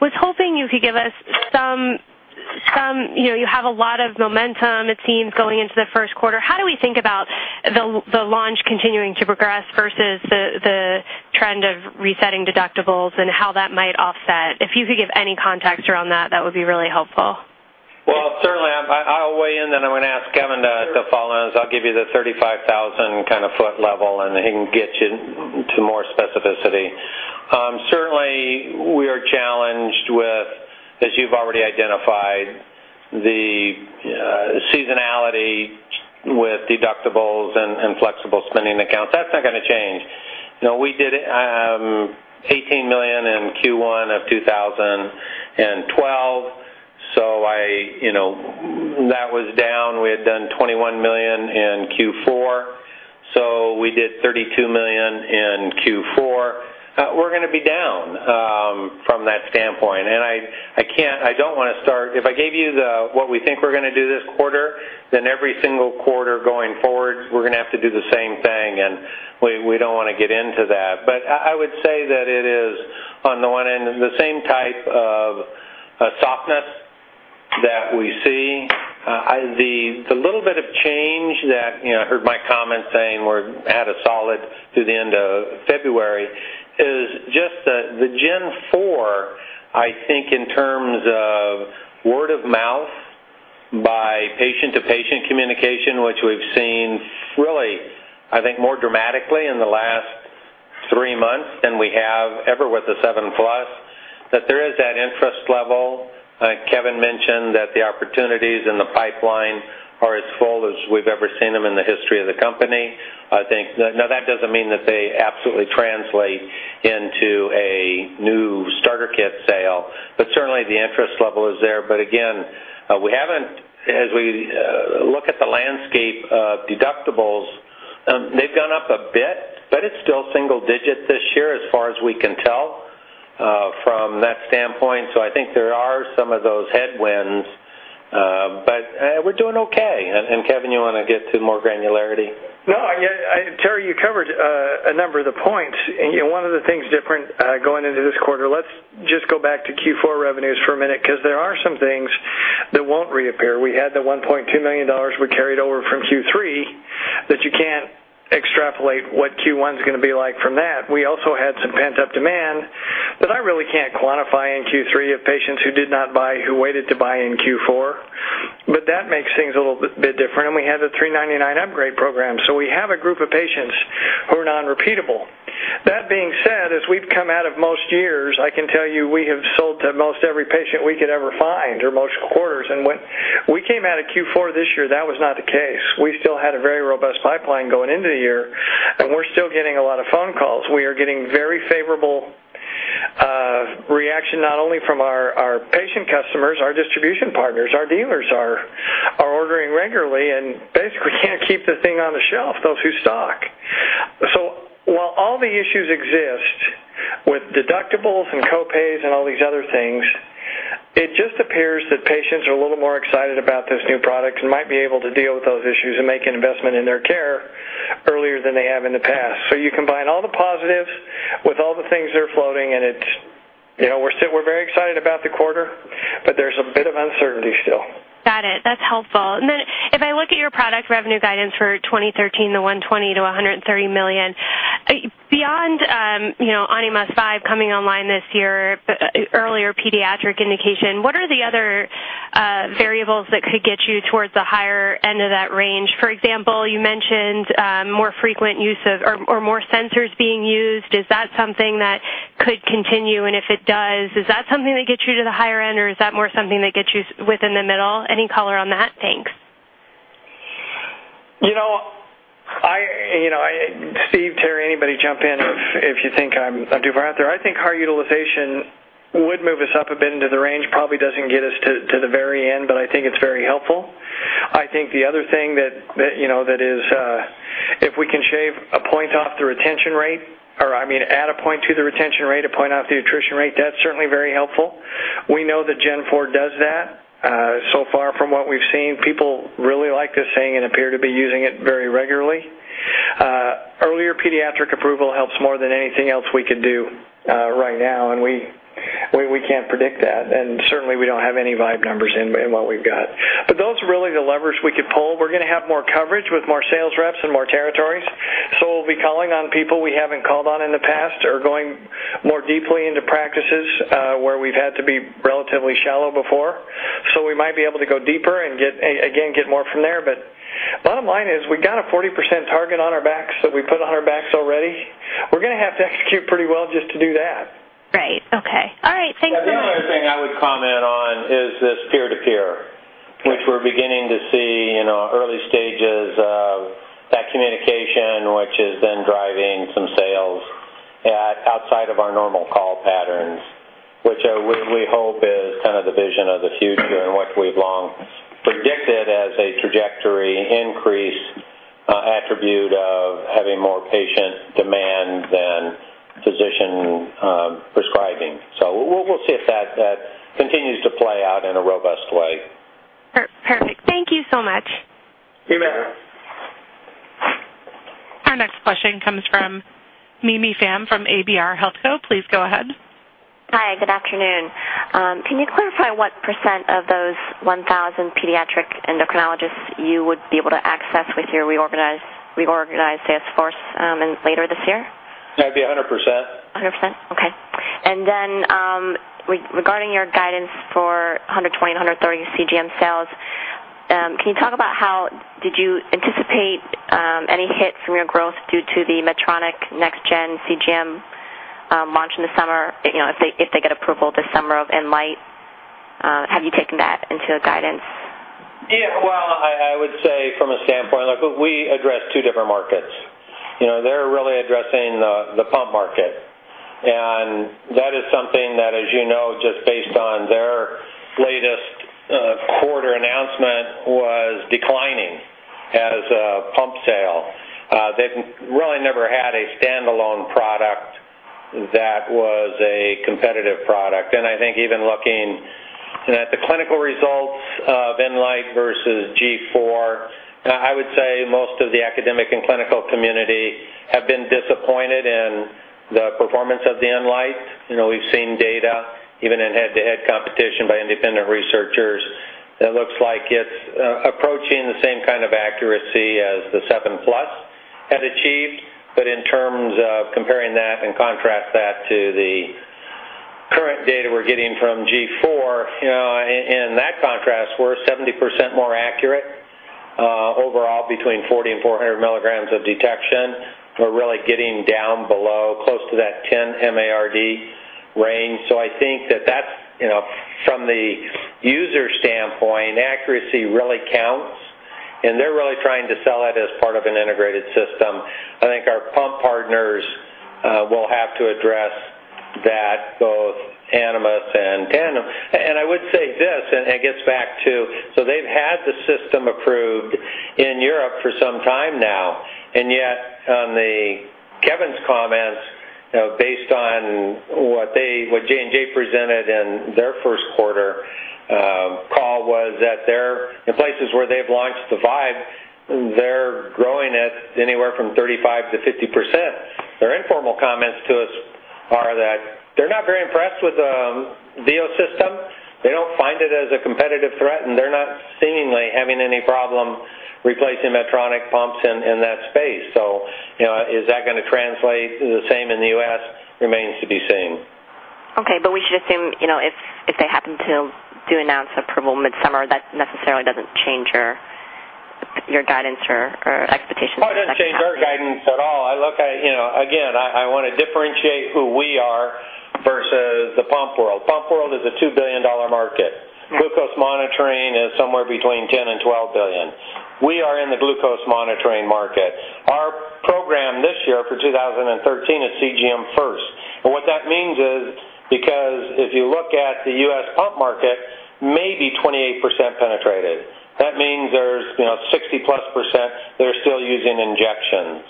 Was hoping you could give us some, you know, you have a lot of momentum, it seems, going into the first quarter. How do we think about the launch continuing to progress versus the trend of resetting deductibles and how that might offset? If you could give any context around that would be really helpful. Certainly, I'll weigh in then I'm gonna ask Kevin to follow in, so I'll give you the 35,000-foot level, and he can get you to more specificity. Certainly, we are challenged with, as you've already identified, the seasonality with deductibles and flexible spending accounts. That's not gonna change. You know, we did $18 million in first quarter of 2012, so, you know, that was down. We had done $21 million in fourth quarter, so we did $32 million in fourth quarter. We're gonna be down from that standpoint. I can't. I don't wanna start. If I gave you what we think we're gonna do this quarter, then every single quarter going forward, we're gonna have to do the same thing, and we don't wanna get into that. I would say that it is, on the one end, the same type of softness that we see. The little bit of change that, you know, here's my comment saying we're at a solid through the end of February is just the G4, I think, in terms of word of mouth by patient-to-patient communication, which we've seen really, I think, more dramatically in the last three months than we have ever with the SEVEN PLUS, that there is that interest level. Kevin mentioned that the opportunities in the pipeline are as full as we've ever seen them in the history of the company. I think now that doesn't mean that they absolutely translate into a new but certainly the interest level is there. Again, as we look at the landscape of deductibles, they've gone up a bit, but it's still single digit this year as far as we can tell, from that standpoint. I think there are some of those headwinds, but we're doing okay. Kevin, you wanna get to more granularity? No, Terry, you covered a number of the points. One of the things different going into this quarter. Let's just go back to fourth quarter revenues for a minute because there are some things that won't reappear. We had the $1.2 million we carried over from third quarter that you can't extrapolate what first quarter is gonna be like from that. We also had some pent-up demand that I really can't quantify in third quarter of patients who did not buy, who waited to buy in fourth quarter, but that makes things a little bit different. We had the $399 upgrade program, so we have a group of patients who are non-repeatable. That being said, as we've come out of most years, I can tell you we have sold to most every patient we could ever find or most quarters. When we came out of fourth quarter this year, that was not the case. We still had a very robust pipeline going into the year, and we're still getting a lot of phone calls. We are getting very favorable reaction not only from our patient customers, our distribution partners. Our dealers are ordering regularly, and basically can't keep the thing on the shelf, those who stock. While all the issues exist with deductibles and co-pays and all these other things, it just appears that patients are a little more excited about this new product and might be able to deal with those issues and make an investment in their care earlier than they have in the past. You combine all the positives with all the things that are floating, and it's, you know, we're very excited about the quarter, but there's a bit of uncertainty still. Got it. That's helpful. If I look at your product revenue guidance for 2013 $120 to 130 million, beyond Animas Vibe coming online this year, earlier pediatric indication, what are the other variables that could get you towards the higher end of that range? For example, you mentioned more frequent use of, or more sensors being used. Is that something that could continue? If it does, is that something that gets you to the higher end, or is that more something that gets you within the middle? Any color on that? Thanks. You know, Steve, Terry, anybody jump in if you think I'm too far out there. I think our utilization would move us up a bit into the range. Probably doesn't get us to the very end, but I think it's very helpful. I think the other thing that you know that is if we can shave a point off the retention rate or, I mean, add a point to the retention rate, a point off the attrition rate, that's certainly very helpful. We know that G4 does that. So far from what we've seen, people really like this thing and appear to be using it very regularly. Earlier pediatric approval helps more than anything else we could do right now, and we can't predict that, and certainly we don't have any Vibe numbers in what we've got. Those are really the levers we could pull. We're gonna have more coverage with more sales reps and more territories, so we'll be calling on people we haven't called on in the past or going more deeply into practices where we've had to be relatively shallow before. We might be able to go deeper and get more from there. Bottom line is we got a 40% target on our backs that we put on our backs already. We're gonna have to execute pretty well just to do that. Right. Okay. All right. Thanks very much. The other thing I would comment on is this peer-to-peer, which we're beginning to see in our early stages of that communication, which is then driving some sales outside of our normal call patterns, which we hope is kind of the vision of the future and what we've long predicted as a trajectory increase, attribute of having more patient demand than physician prescribing. We'll see if that continues to play out in a robust way. Perfect. Thank you so much. You bet. Our next question comes from Mimi Pham from ABR-Healthco. Please go ahead. Hi. Good afternoon. Can you clarify what percent of those 1,000 pediatric endocrinologists you would be able to access with your reorganized sales force, in later this year? That'd be 100%. 100%? Okay. Then, regarding your guidance for 120 to 130 CGM sales, can you talk about how did you anticipate any hit from your growth due to the Medtronic next gen CGM launch in the summer? You know, if they get approval this summer or in life, have you taken that into the guidance? Yeah. Well, I would say from a standpoint, look, we address two different markets. You know, they're really addressing the pump market. That is something that, as you know, just based on their latest quarter announcement, was declining as a pump sale. They've really never had a standalone product that was a competitive product. I think even looking at the clinical results of Enlite versus G4, I would say most of the academic and clinical community have been disappointed in the performance of the Enlite. You know, we've seen data even in head-to-head competition by independent researchers. It looks like it's approaching the same kind of accuracy as the SEVEN PLUS had achieved. In terms of comparing that and contrast that to the current data we're getting from G4, you know, in that contrast, we're 70% more accurate, overall, between 40 mg/dL and 400 mg/dL. We're really getting down below close to that 10 MARD range. I think that that's, you know, from the user standpoint, accuracy really counts. They're really trying to sell it as part of an integrated system. I think our pump partners will have to address that, both Animas and Tandem. I would say this, and it gets back to so they've had the system approved in Europe for some time now, and yet on Kevin's comments, you know, based on what they, what J&J presented in their first quarter call was that they're in places where they've launched the Vibe, they're growing at anywhere from 35% to 50%. Their informal comments to us are that they're not very impressed with the Duo system. They don't find it as a competitive threat, and they're not seemingly having any problem replacing Medtronic pumps in that space. So, you know, is that gonna translate the same in the US? Remains to be seen. Okay. We should assume, you know, if they happen to announce approval midsummer, that necessarily doesn't change your guidance or expectations for- Oh, it doesn't change our guidance at all. I look at, you know, again, I wanna differentiate who we are versus the pump world. Pump world is a $2 billion market. Glucose monitoring is somewhere between $10 billion and $12 billion. We are in the glucose monitoring market. Our program this year for 2013 is CGM first. And what that means is, because if you look at the US pump market, maybe 28% penetrated, that means there's, you know, 60% plus that are still using injections.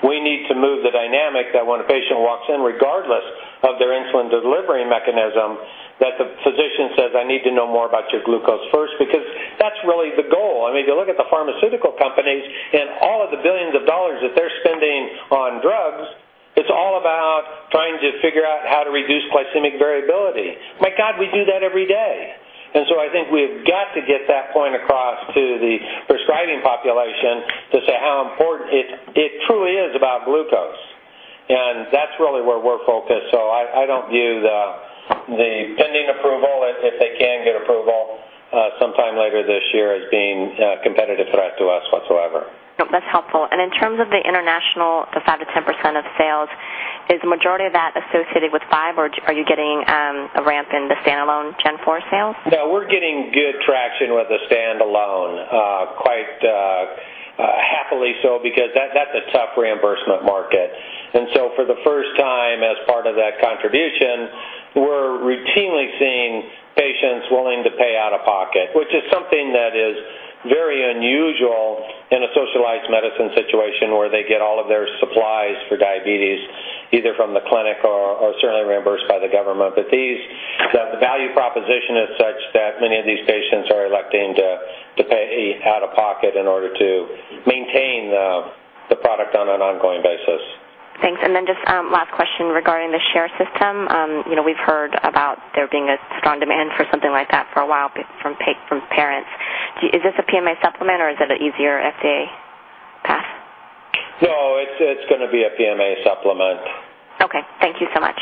We need to move the dynamic that when a patient walks in, regardless of their insulin delivery mechanism, that the physician says, "I need to know more about your glucose first." Because that's really the goal. I mean, if you look at the pharmaceutical companies and all of the billions of dollars that they're spending on drugs, it's all about trying to figure out how to reduce glycemic variability. My God, we do that every day. I think we've got to get that point across to the prescribing population to say how important it truly is about glucose. And that's really where we're focused. I don't view the pending approval, if they can get approval, sometime later this year as being a competitive threat to us whatsoever. No, that's helpful. In terms of the international, the 5% to 10% of sales, is the majority of that associated with Vibe, or are you getting a ramp in the standalone G4 sales? No, we're getting good traction with the standalone, quite happily so because that's a tough reimbursement market. For the first time, as part of that contribution, we're routinely seeing patients willing to pay out of pocket, which is something that is very unusual in a socialized medicine situation where they get all of their supplies for diabetes, either from the clinic or certainly reimbursed by the government. These, the value proposition is such that many of these patients are electing to pay out of pocket in order to maintain the product on an ongoing basis. Thanks. Then just last question regarding the share system. You know, we've heard about there being a strong demand for something like that for a while from parents. Is this a PMA supplement or is it an easier FDA path? No, it's gonna be a PMA supplement. Okay. Thank you so much.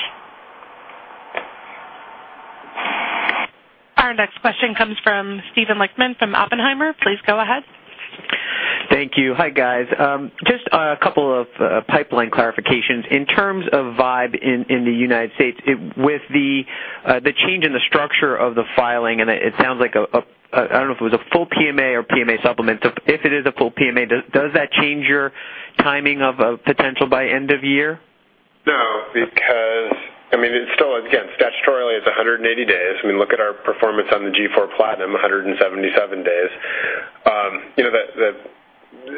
Our next question comes from Steven Lichtman from Oppenheimer. Please go ahead. Thank you. Hi, guys. Just a couple of pipeline clarifications. In terms of Vibe in the United States, it with the change in the structure of the filing, and it sounds like a, I don't know if it was a full PMA or PMA supplement. If it is a full PMA, does that change your timing of a potential by end of year? No, because I mean, it's still, again, statutorily it's 180 days. I mean, look at our performance on the G4 PLATINUM, 177 days. You know,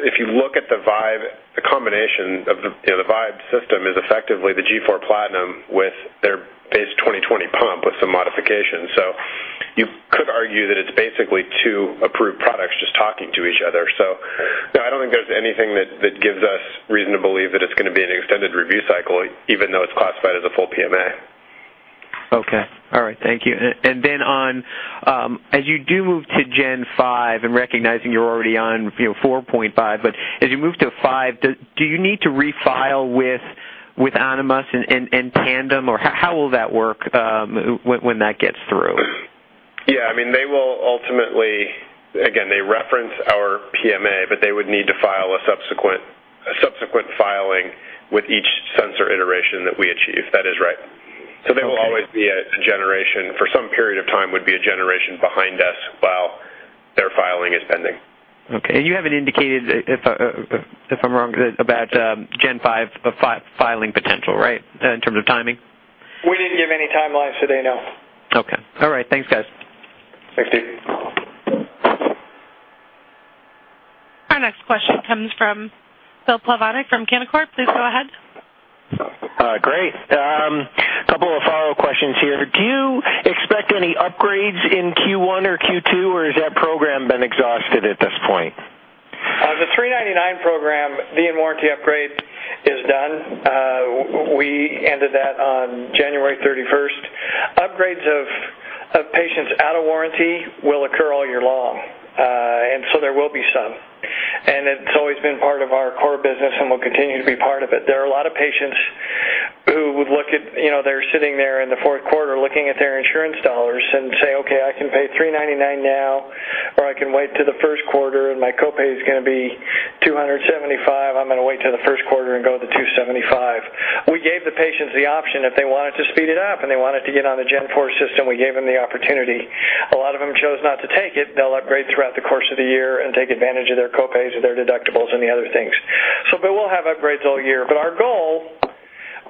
if you look at the Vibe, the combination of the, you know, the Vibe system is effectively the G4 PLATINUM with their base 2020 pump with some modifications. So you could argue that it's basically two approved products just talking to each other. So no, I don't think there's anything that gives us reason to believe that it's gonna be an extended review cycle, even though it's classified as a full PMA. Okay. All right. Thank you. On as you do move to G5 and recognizing you're already on, you know, G4.5, but as you move to G5, do you need to refile with Animas and Tandem, or how will that work, when that gets through? Yeah, I mean, they will ultimately. Again, they reference our PMA, but they would need to file a subsequent filing with each sensor iteration that we achieve. That is right. Okay. They will always be a generation behind us for some period of time while their filing is pending. Okay. You haven't indicated if I'm wrong about G5 filing potential, right, in terms of timing? We didn't give any timelines, so they know. Okay. All right. Thanks, guys. Thank you. Our next question comes from Bill Plovanic from Canaccord. Please go ahead. Great. Couple of follow questions here. Do you expect any upgrades in first quarter or second quarter, or has that program been exhausted at this point? The $399 program, the warranty upgrade is done. We ended that on 31 January 2012. Upgrades of patients out of warranty will occur all year long. There will be some. It's always been part of our core business and will continue to be part of it. There are a lot of patients who would look at, you know, they're sitting there in the fourth quarter looking at their insurance dollars and say, "Okay, I can pay $399 now, or I can wait till the first quarter, and my copay is gonna be $275. I'm gonna wait till the first quarter and go with the $275." We gave the patients the option, if they wanted to speed it up and they wanted to get on the G4 system, we gave them the opportunity. A lot of them chose not to take it. They'll upgrade throughout the course of the year and take advantage of their co-pays or their deductibles and the other things. We'll have upgrades all year.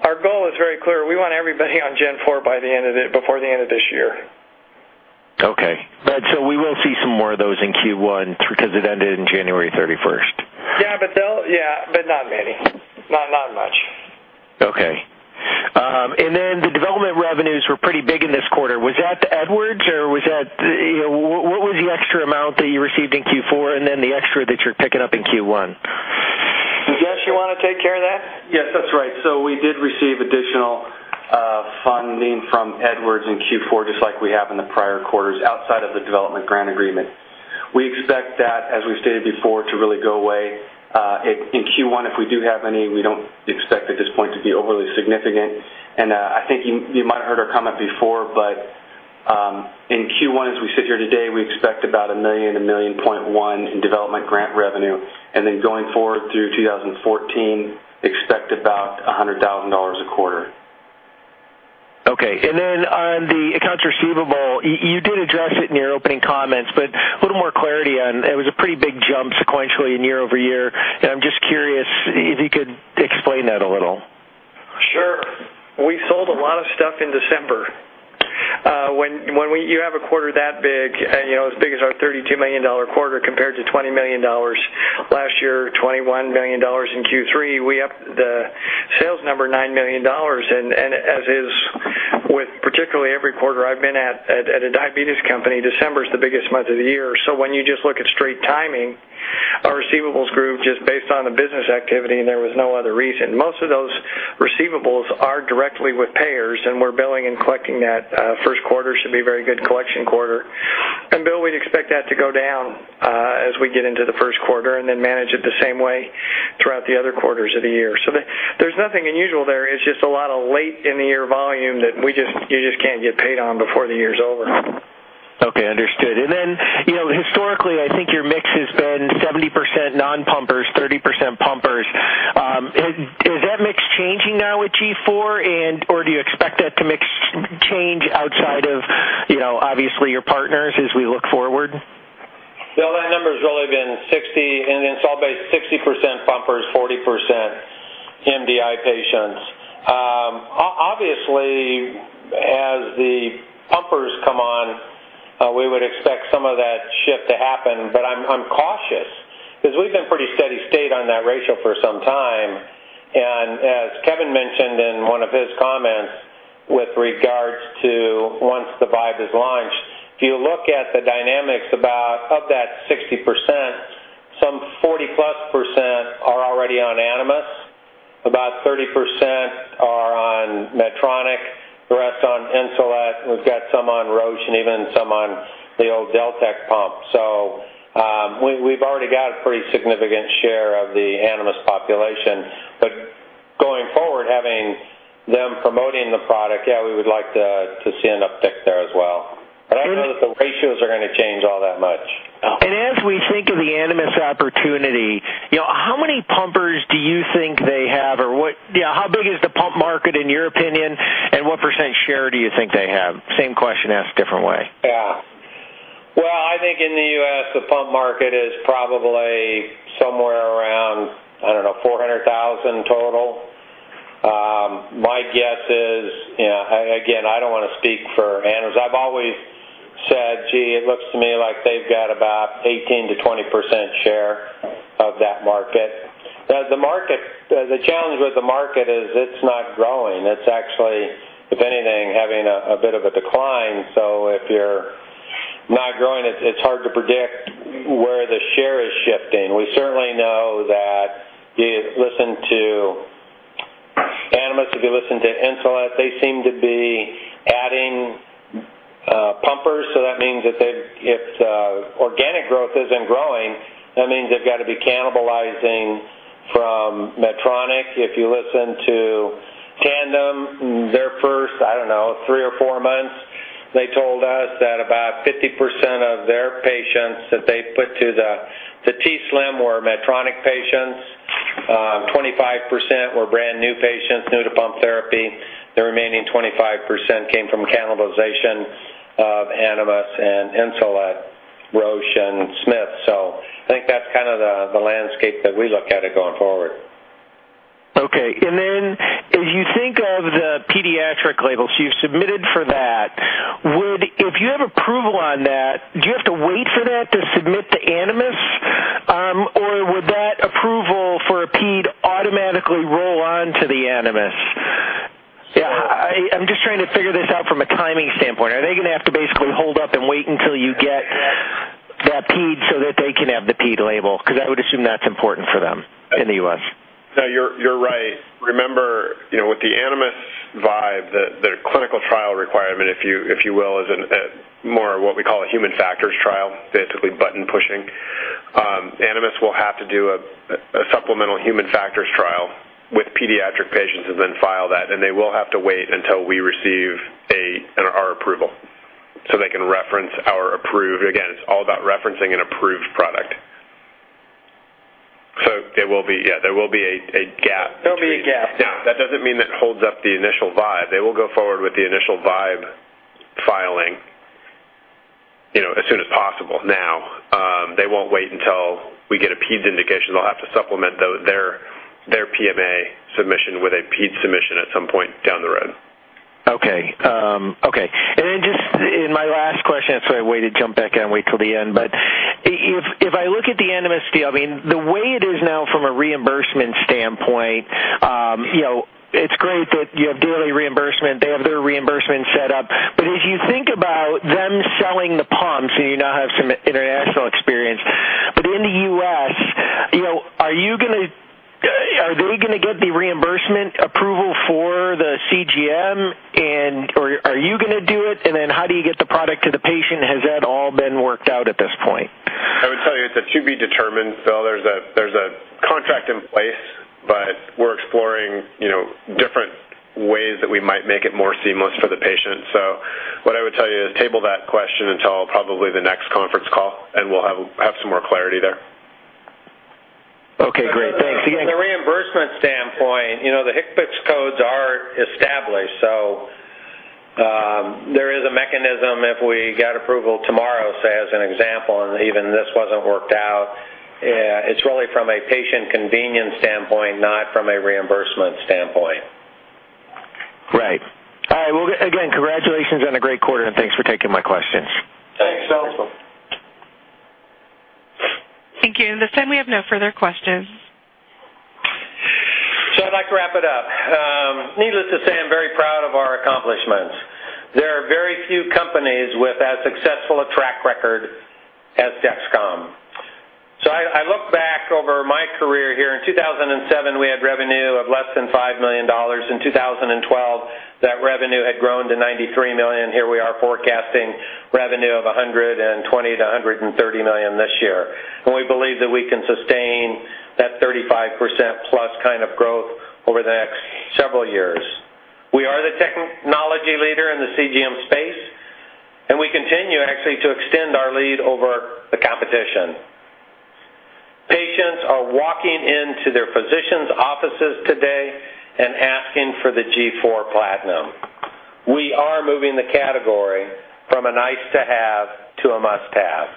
Our goal is very clear. We want everybody on G4 by the end of it, before the end of this year. We will see some more of those in first quarter because it ended in 31 January 2012. Yeah, not many. Not much. Okay. The development revenues were pretty big in this quarter. Was that Edwards or was that you know? What was the extra amount that you received in fourth quarter and then the extra that you're picking up in first quarter? Jess, you want to take care of that? Yes, that's right. We did receive additional funding from Edwards in fourth quarter, just like we have in the prior quarters outside of the development grant agreement. We expect that, as we've stated before, to really go away in first quarter. If we do have any, we don't expect at this point to be overly significant. I think you might have heard our comment before, but in first quarter, as we sit here today, we expect about $1.1 million in development grant revenue. Going forward through 2014, expect about $100,000 a quarter. Okay. On the accounts receivable, you did address it in your opening comments, but a little more clarity on it was a pretty big jump sequentially and year-over-year. I'm just curious if you could explain that a little. Sure. We sold a lot of stuff in December. When we have a quarter that big, you know, as big as our $32 million quarter compared to $20 million last year, $21 million in third quarter, we up the sales number $9 million. As is with particularly every quarter I've been at a diabetes company, December is the biggest month of the year. When you just look at straight timing, our receivables grew just based on the business activity, and there was no other reason. Most of those receivables are directly with payers, and we're billing and collecting that. First quarter should be very good collection quarter. Bill, we'd expect that to go down as we get into the first quarter and then manage it the same way throughout the other quarters of the year. There's nothing unusual there. It's just a lot of late in the year volume that you just can't get paid on before the year is over. Okay, understood. Then, you know, historically, I think your mix has been 70% non-pumpers, 30% pumpers. Is that mix changing now with G4, or do you expect that mix to change outside of, you know, obviously your partners as we look forward? Bill, that number has really been 60, and installed base 60% pumpers, 40% MDI patients. Obviously, as the pumpers come on, we would expect some of that shift to happen. I'm cautious because we've been pretty steady state on that ratio for some time. As Kevin mentioned in one of his comments with regards to once the Vibe is launched, if you look at the dynamics of that 60%, some 40% plus are already on Animas, about 30% are on Medtronic, the rest on Insulet. We've got some on Roche and even some on the old Deltec pump. We've already got a pretty significant share of the Animas population. Going forward, having them promoting the product, yeah, we would like to see an uptick there as well... I don't know that the ratios are going to change all that much. As we think of the Animas opportunity, you know, how many pumpers do you think they have or what, you know, how big is the pump market in your opinion, and what percent share do you think they have? Same question asked different way. Yeah. Well, I think in the US, the pump market is probably somewhere around, I don't know, 400,000 total. My guess is, you know, again, I don't want to speak for Animas. I've always said, "Gee, it looks to me like they've got about 18% to 20% share of that market." The market, the challenge with the market is it's not growing. It's actually, if anything, having a bit of a decline. So, if you're not growing, it's hard to predict where the share is shifting. We certainly know that if you listen to Animas, if you listen to Insulet, they seem to be adding pumpers. So that means that they, if organic growth isn't growing, that means they've got to be cannibalizing from Medtronic. If you listen to Tandem, their first, I don't know, three or four months, they told us that about 50% of their patients that they put to the t:slim were Medtronic patients. 25% were brand new patients, new to pump therapy. The remaining 25% came from cannibalization of Animas and Insulet, Roche and Smiths Medical. I think that's kind of the landscape that we look at it going forward. If you think of the pediatric label, so you've submitted for that. If you have approval on that, do you have to wait for that to submit to Animas? Or would that approval for a ped automatically roll on to the Animas? I'm just trying to figure this out from a timing standpoint. Are they going to have to basically hold up and wait until you get that ped so that they can have the ped label? Because I would assume that's important for them in the US. No, you're right. Remember, you know, with the Animas Vibe, the clinical trial requirement, if you will, is a more what we call a human factors trial, basically button-pushing. Animas will have to do a supplemental human factors trial with pediatric patients and then file that, and they will have to wait until we receive our approval so they can reference our approved. Again, it's all about referencing an approved. There will be a gap. There'll be a gap. Now that doesn't mean that holds up the initial Vibe. They will go forward with the initial Vibe filing, you know, as soon as possible now. They won't wait until we get a peds indication. They'll have to supplement their PMA submission with a peds submission at some point down the road. Okay. Just in my last question, I waited to jump back and wait till the end, but if I look at the Animas deal, I mean, the way it is now from a reimbursement standpoint, you know, it's great that you have daily reimbursement. They have their reimbursement set up. As you think about them selling the pumps, so you now have some international experience. In the US, you know, are they gonna get the reimbursement approval for the CGM or are you gonna do it? And then how do you get the product to the patient? Has that all been worked out at this point? I would tell you it's a to be determined. There's a contract in place, but we're exploring, you know, different ways that we might make it more seamless for the patient. What I would tell you is table that question until probably the next conference call, and we'll have some more clarity there. Okay, great. Thanks... again. From the reimbursement standpoint, you know, the HCPCS codes are established, so, there is a mechanism if we get approval tomorrow, say as an example, and even this wasn't worked out. It's really from a patient convenience standpoint, not from a reimbursement standpoint. Right. All right. Well, again, congratulations on a great quarter, and thanks for taking my questions. Thanks, Bill. Thank you. At this time, we have no further questions. I'd like to wrap it up. Needless to say, I'm very proud of our accomplishments. There are very few companies with as successful a track record as Dexcom. I look back over my career here. In 2007, we had revenue of less than $5 million. In 2012, that revenue had grown to $93 million. Here we are forecasting revenue of $120 to 130 million this year. We believe that we can sustain that 35% plus kind of growth over the next several years. We are the technology leader in the CGM space, and we continue actually to extend our lead over the competition. Patients are walking into their physicians' offices today and asking for the G4 PLATINUM. We are moving the category from a nice to have to a must-have.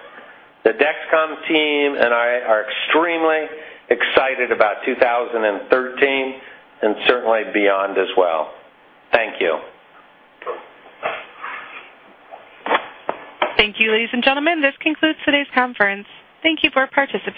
The Dexcom team and I are extremely excited about 2013 and certainly beyond as well. Thank you. Thank you, ladies and gentlemen. This concludes today's conference. Thank you for participating.